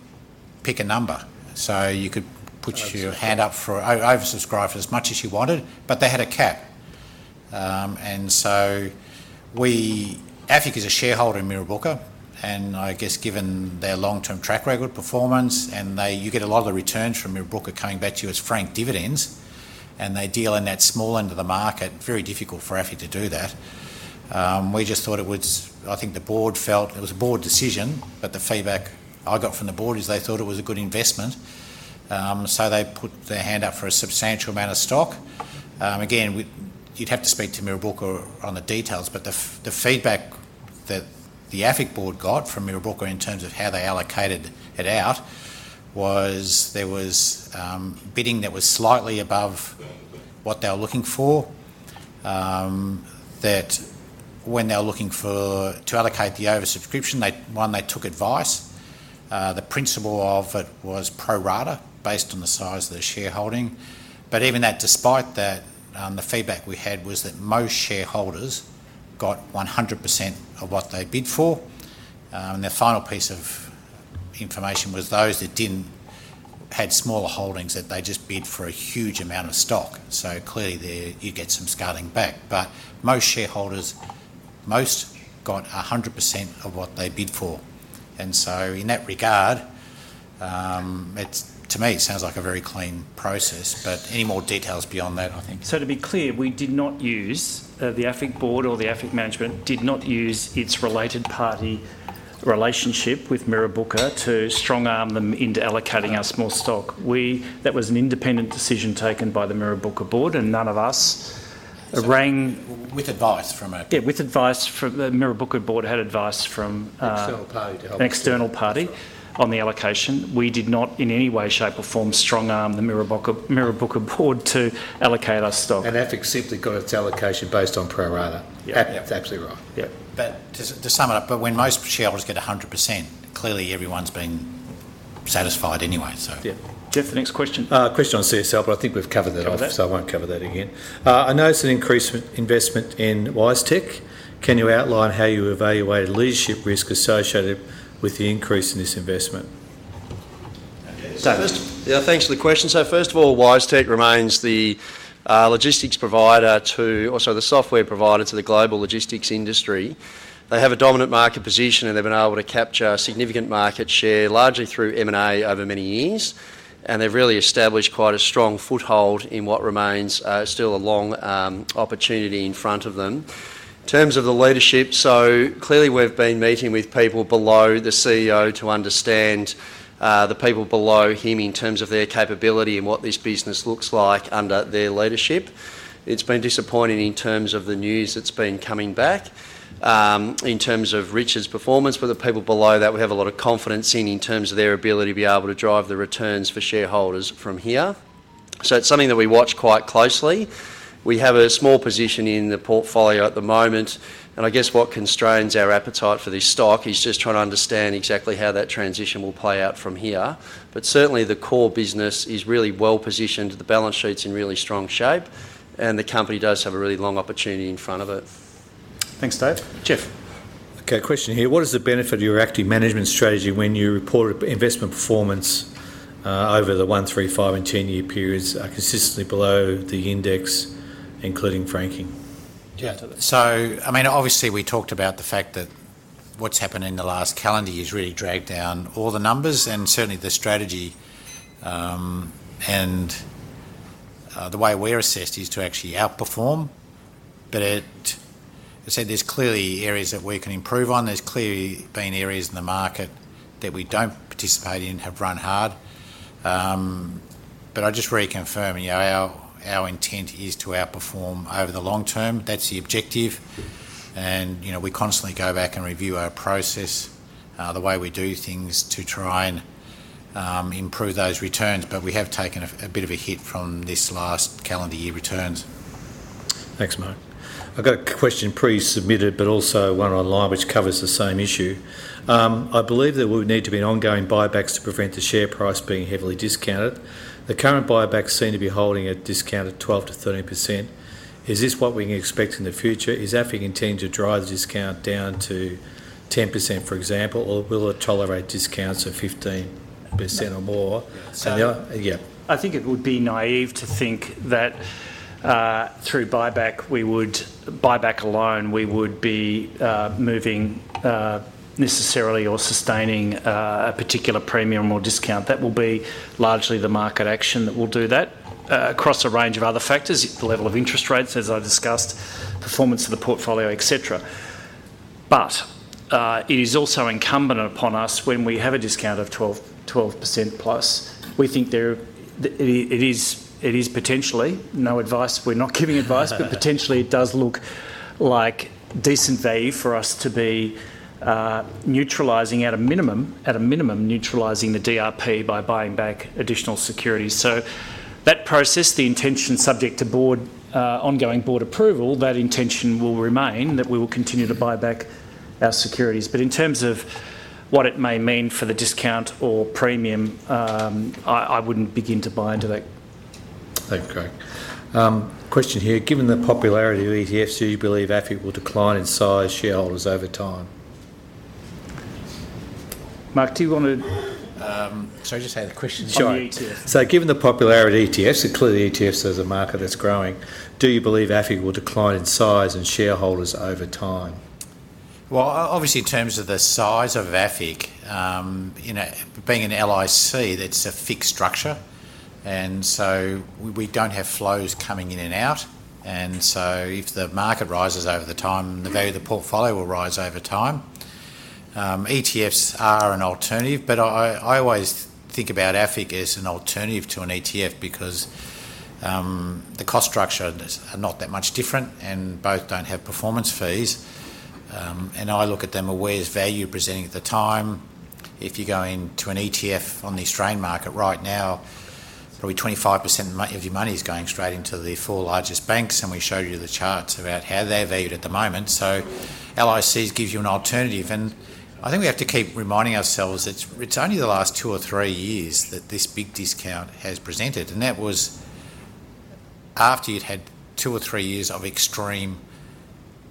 B: pick a number, so you could put your hand up for oversubscribe for as much as you wanted, but they had a cap. AFIC is a shareholder in Mirrabooka, and I guess given their long-term track record performance, and you get a lot of the returns from Mirrabooka coming back to you as franked dividends, and they deal in that small end of the market, it's very difficult for AFIC to do that. We just thought it was, I think the board felt, it was a board decision, but the feedback I got from the board is they thought it was a good investment, so they put their hand up for a substantial amount of stock. You'd have to speak to Mirrabooka on the details, but the feedback that the AFIC board got from Mirrabooka in terms of how they allocated it out was there was bidding that was slightly above what they were looking for. When they were looking to allocate the oversubscription, they took advice. The principle of it was pro-rata based on the size of the shareholding. Despite that, the feedback we had was that most shareholders got 100% of what they bid for. The final piece of information was those that didn't have smaller holdings that just bid for a huge amount of stock, so clearly, you get some scaling back. Most shareholders, most got 100% of what they bid for. In that regard, to me, it sounds like a very clean process. Any more details beyond that, I think.
A: To be clear, we did not use, the AFIC board or the AFIC management did not use its related party relationship with Mirrabooka to strong-arm them into allocating our small stock. That was an independent decision taken by the Mirrabooka board, and none of us rang.
B: With advice from a.
A: Yeah, with advice from the Mirrabooka board had advice from.
B: An external party.
A: An external party on the allocation. We did not in any way, shape, or form strong-arm the Mirrabooka board to allocate our stock.
B: AFIC simply got its allocation based on pro-rata.
A: Yeah.
B: That's absolutely right.
A: Yeah.
B: To sum it up, when most shareholders get 100%, clearly everyone's been satisfied anyway.
A: Yeah, Geoff, the next question.
F: Question on CSL, but I think we've covered that off, so I won't cover that again. I noticed an increased investment in WiseTech. Can you outline how you evaluated leadership risk associated with the increase in this investment?
G: Yeah, thanks for the question. First of all, WiseTech remains the software provider to the global logistics industry. They have a dominant market position, and they've been able to capture significant market share largely through M&A over many years. They've really established quite a strong foothold in what remains still a long opportunity in front of them. In terms of the leadership, we've been meeting with people below the CEO to understand the people below him in terms of their capability and what this business looks like under their leadership. It's been disappointing in terms of the news that's been coming back. In terms of Richard's performance with the people below that, we have a lot of confidence in in terms of their ability to be able to drive the returns for shareholders from here. It's something that we watch quite closely. We have a small position in the portfolio at the moment. What constrains our appetite for this stock is just trying to understand exactly how that transition will play out from here. Certainly the core business is really well positioned, the balance sheet's in really strong shape, and the company does have a really long opportunity in front of it.
A: Thanks, Dave. Geoff.
F: Okay, question here. What is the benefit of your active management strategy when you report investment performance over the 1, 3, 5, and 10-year periods are consistently below the index, including franking?
B: Yeah, so obviously we talked about the fact that what's happened in the last calendar year has really dragged down all the numbers. Certainly the strategy and the way we're assessed is to actually outperform. I'd say there's clearly areas that we can improve on. There's clearly been areas in the market that we don't participate in, have run hard. I just reconfirm, you know, our intent is to outperform over the long term. That's the objective. You know, we constantly go back and review our process, the way we do things to try and improve those returns. We have taken a bit of a hit from this last calendar year returns.
F: Thanks, Mark. I've got a question pre-submitted, but also one online, which covers the same issue. I believe there will need to be an ongoing buyback to prevent the share price being heavily discounted. The current buyback seemed to be holding a discount at 12 to 13%. Is this what we can expect in the future? Is AFIC intending to drive the discount down to 10%, for example, or will it tolerate discounts of 15% or more?
A: Yeah, I think it would be naive to think that through buyback, we would, by buyback alone, be moving necessarily or sustaining a particular premium or discount. That will be largely the market action that will do that across a range of other factors, the level of interest rates, as I discussed, performance of the portfolio, etc. It is also incumbent upon us when we have a discount of 12% plus. We think there, it is potentially, no advice, we're not giving advice, but potentially it does look like decent value for us to be neutralizing at a minimum, at a minimum neutralizing the DRP by buying back additional securities. That process, the intention subject to ongoing board approval, that intention will remain that we will continue to buy back our securities. In terms of what it may mean for the discount or premium, I wouldn't begin to buy into that.
F: Okay. Question here. Given the popularity of ETFs, do you believe AFIC will decline in size and shareholders over time?
A: Mark, do you want to?
B: Sorry, just say the question.
F: Sure. Given the popularity of ETFs, it's clearly ETFs as a market that's growing. Do you believe AFIC will decline in size and shareholders over time?
B: Obviously, in terms of the size of AFIC, you know, being an LIC, that's a fixed structure. We don't have flows coming in and out, so if the market rises over time, the value of the portfolio will rise over time. ETFs are an alternative, but I always think about AFIC as an alternative to an ETF because the cost structure is not that much different and both don't have performance fees. I look at them as value presenting at the time. If you go into an ETF on the Australian market right now, probably 25% of your money is going straight into the four largest banks. We showed you the charts about how they're valued at the moment. LICs give you an alternative. I think we have to keep reminding ourselves that it's only the last two or three years that this big discount has presented, and that was after you'd had two or three years of extreme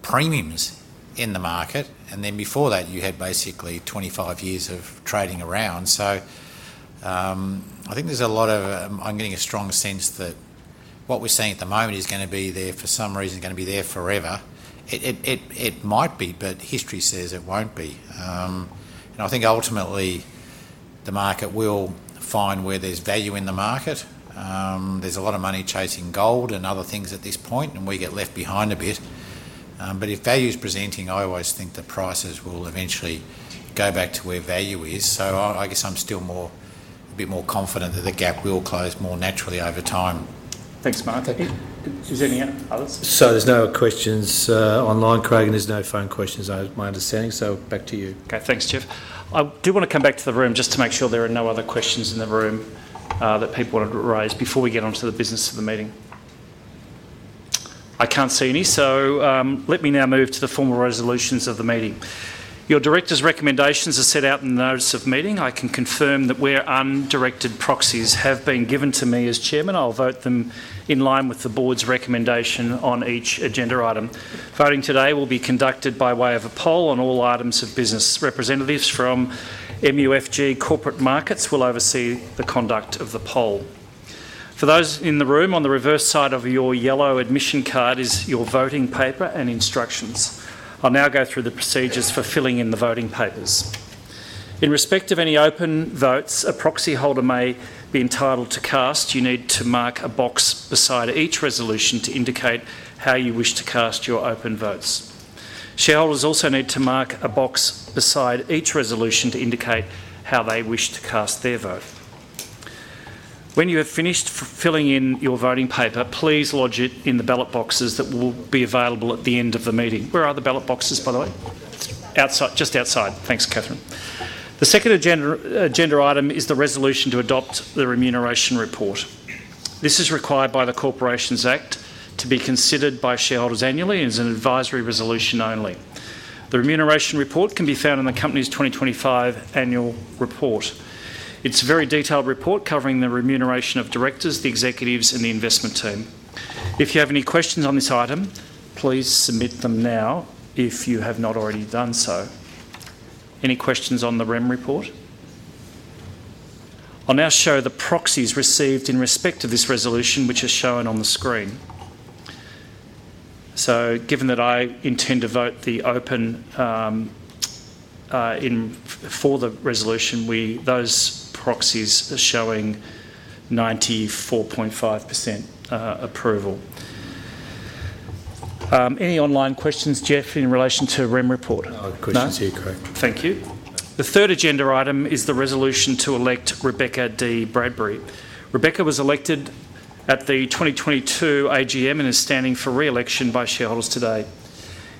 B: premiums in the market. Before that, you had basically 25 years of trading around. I think there's a lot of, I'm getting a strong sense that what we're seeing at the moment is going to be there for some reason, is going to be there forever. It might be, but history says it won't be. I think ultimately the market will find where there's value in the market. There's a lot of money chasing gold and other things at this point, and we get left behind a bit. If value is presenting, I always think the prices will eventually go back to where value is. I guess I'm still more, a bit more confident that the gap will close more naturally over time.
A: Thanks, Mark. Does any others?
F: There are no questions online, Craig, and there are no phone questions, my understanding. Back to you.
A: Okay, thanks, Jeff. I do want to come back to the room just to make sure there are no other questions in the room that people want to raise before we get on to the business of the meeting. I can't see any, so let me now move to the formal resolutions of the meeting. Your directors' recommendations are set out in the notice of meeting. I can confirm that where undirected proxies have been given to me as Chairman, I'll vote them in line with the board's recommendation on each agenda item. Voting today will be conducted by way of a poll on all items of business. Representatives from MUFG Corporate Markets will oversee the conduct of the poll. For those in the room, on the reverse side of your yellow admission card is your voting paper and instructions. I'll now go through the procedures for filling in the voting papers. In respect of any open votes a proxy holder may be entitled to cast, you need to mark a box beside each resolution to indicate how you wish to cast your open votes. Shareholders also need to mark a box beside each resolution to indicate how they wish to cast their vote. When you have finished filling in your voting paper, please lodge it in the ballot boxes that will be available at the end of the meeting. Where are the ballot boxes, by the way? Outside, just outside. Thanks, Catherine. The second agenda item is the resolution to adopt the remuneration report. This is required by the Corporations Act to be considered by shareholders annually as an advisory resolution only. The remuneration report can be found in the company's 2025 annual report. It's a very detailed report covering the remuneration of directors, the executives, and the investment team. If you have any questions on this item, please submit them now if you have not already done so. Any questions on the REM report? I'll now show the proxies received in respect of this resolution, which is shown on the screen. Given that I intend to vote the open for the resolution, those proxies are showing 94.5% approval. Any online questions, Jeff, in relation to the REM report?
F: No questions here, Craig.
A: Thank you. The third agenda item is the resolution to elect Rebecca Dee-Bradbury. Rebecca was elected at the 2022 AGM and is standing for reelection by shareholders today.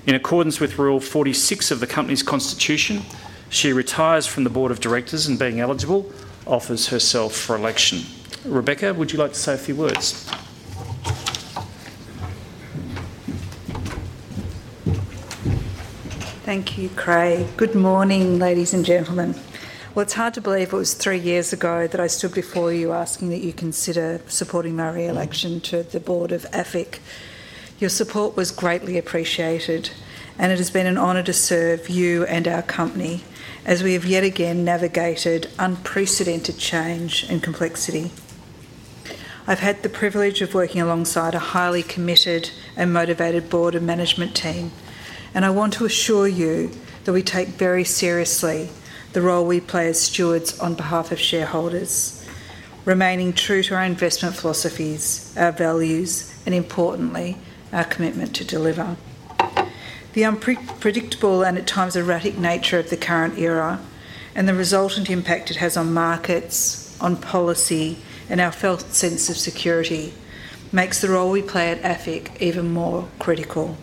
A: In accordance with Rule 46 of the company's constitution, she retires from the Board of Directors and, being eligible, offers herself for election. Rebecca, would you like to say a few words?
K: Thank you, Craig. Good morning, ladies and gentlemen. It's hard to believe it was three years ago that I stood before you asking that you consider supporting my reelection to the board of AFIC. Your support was greatly appreciated, and it has been an honor to serve you and our company as we have yet again navigated unprecedented change and complexity. I've had the privilege of working alongside a highly committed and motivated board and management team, and I want to assure you that we take very seriously the role we play as stewards on behalf of shareholders, remaining true to our investment philosophies, our values, and importantly, our commitment to deliver. The unpredictable and at times erratic nature of the current era and the resultant impact it has on markets, on policy, and our felt sense of security makes the role we play at AFIC even more critical.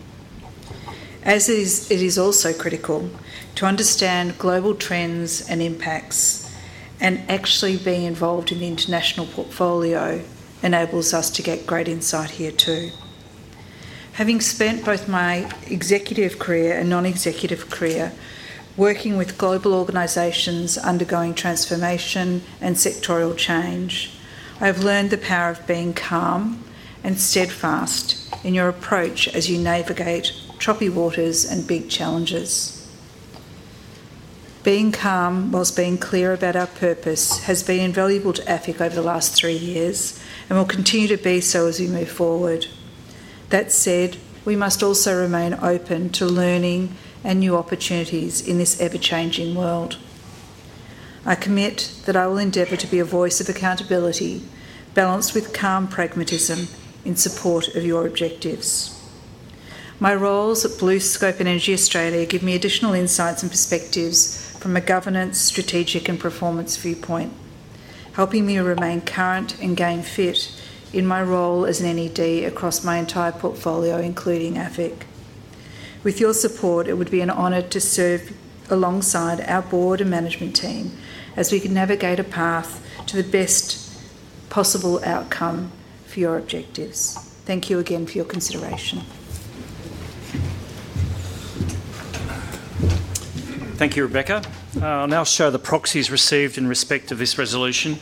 K: As it is also critical to understand global trends and impacts, actually being involved in the international portfolio enables us to get great insight here too. Having spent both my executive career and non-executive career working with global organizations undergoing transformation and sectoral change, I've learned the power of being calm and steadfast in your approach as you navigate choppy waters and big challenges. Being calm whilst being clear about our purpose has been invaluable to AFIC over the last three years and will continue to be so as we move forward. That said, we must also remain open to learning and new opportunities in this ever-changing world. I commit that I will endeavor to be a voice of accountability, balanced with calm pragmatism in support of your objectives. My roles at BlueScope Energy Australia give me additional insights and perspectives from a governance, strategic, and performance viewpoint, helping me to remain current and gain fit in my role as an NED across my entire portfolio, including AFIC. With your support, it would be an honor to serve alongside our board and management team as we can navigate a path to the best possible outcome for your objectives. Thank you again for your consideration.
A: Thank you, Rebecca. I'll now show the proxies received in respect of this resolution,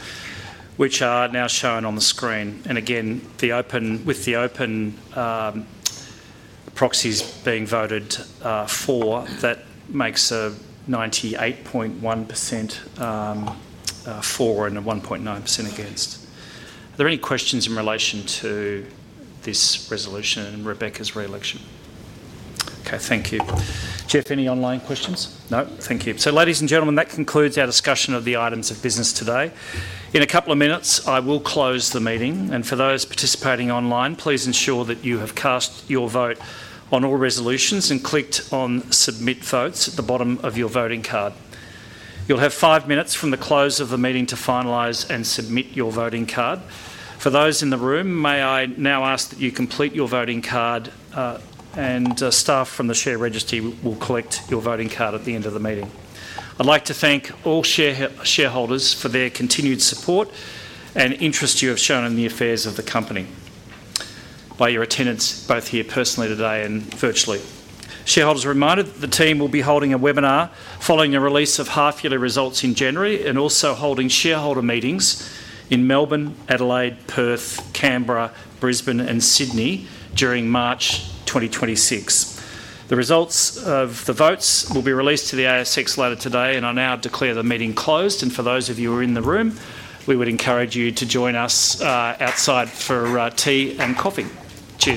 A: which are now shown on the screen. Again, with the open proxies being voted for, that makes a 98.1% for and a 1.9% against. Are there any questions in relation to this resolution and Rebecca's reelection? Thank you. Jeff, any online questions? No, thank you. Ladies and gentlemen, that concludes our discussion of the items of business today. In a couple of minutes, I will close the meeting. For those participating online, please ensure that you have cast your vote on all resolutions and clicked on submit votes at the bottom of your voting card. You'll have five minutes from the close of the meeting to finalize and submit your voting card. For those in the room, may I now ask that you complete your voting card, and staff from the share registry will collect your voting card at the end of the meeting. I'd like to thank all shareholders for their continued support and interest you have shown in the affairs of the company by your attendance, both here personally today and virtually. Shareholders are reminded that the team will be holding a webinar following the release of half-yearly results in January and also holding shareholder meetings in Melbourne, Adelaide, Perth, Canberra, Brisbane, and Sydney during March 2026. The results of the votes will be released to the ASX later today, and I now declare the meeting closed. For those of you who are in the room, we would encourage you to join us outside for tea and coffee. Cheers.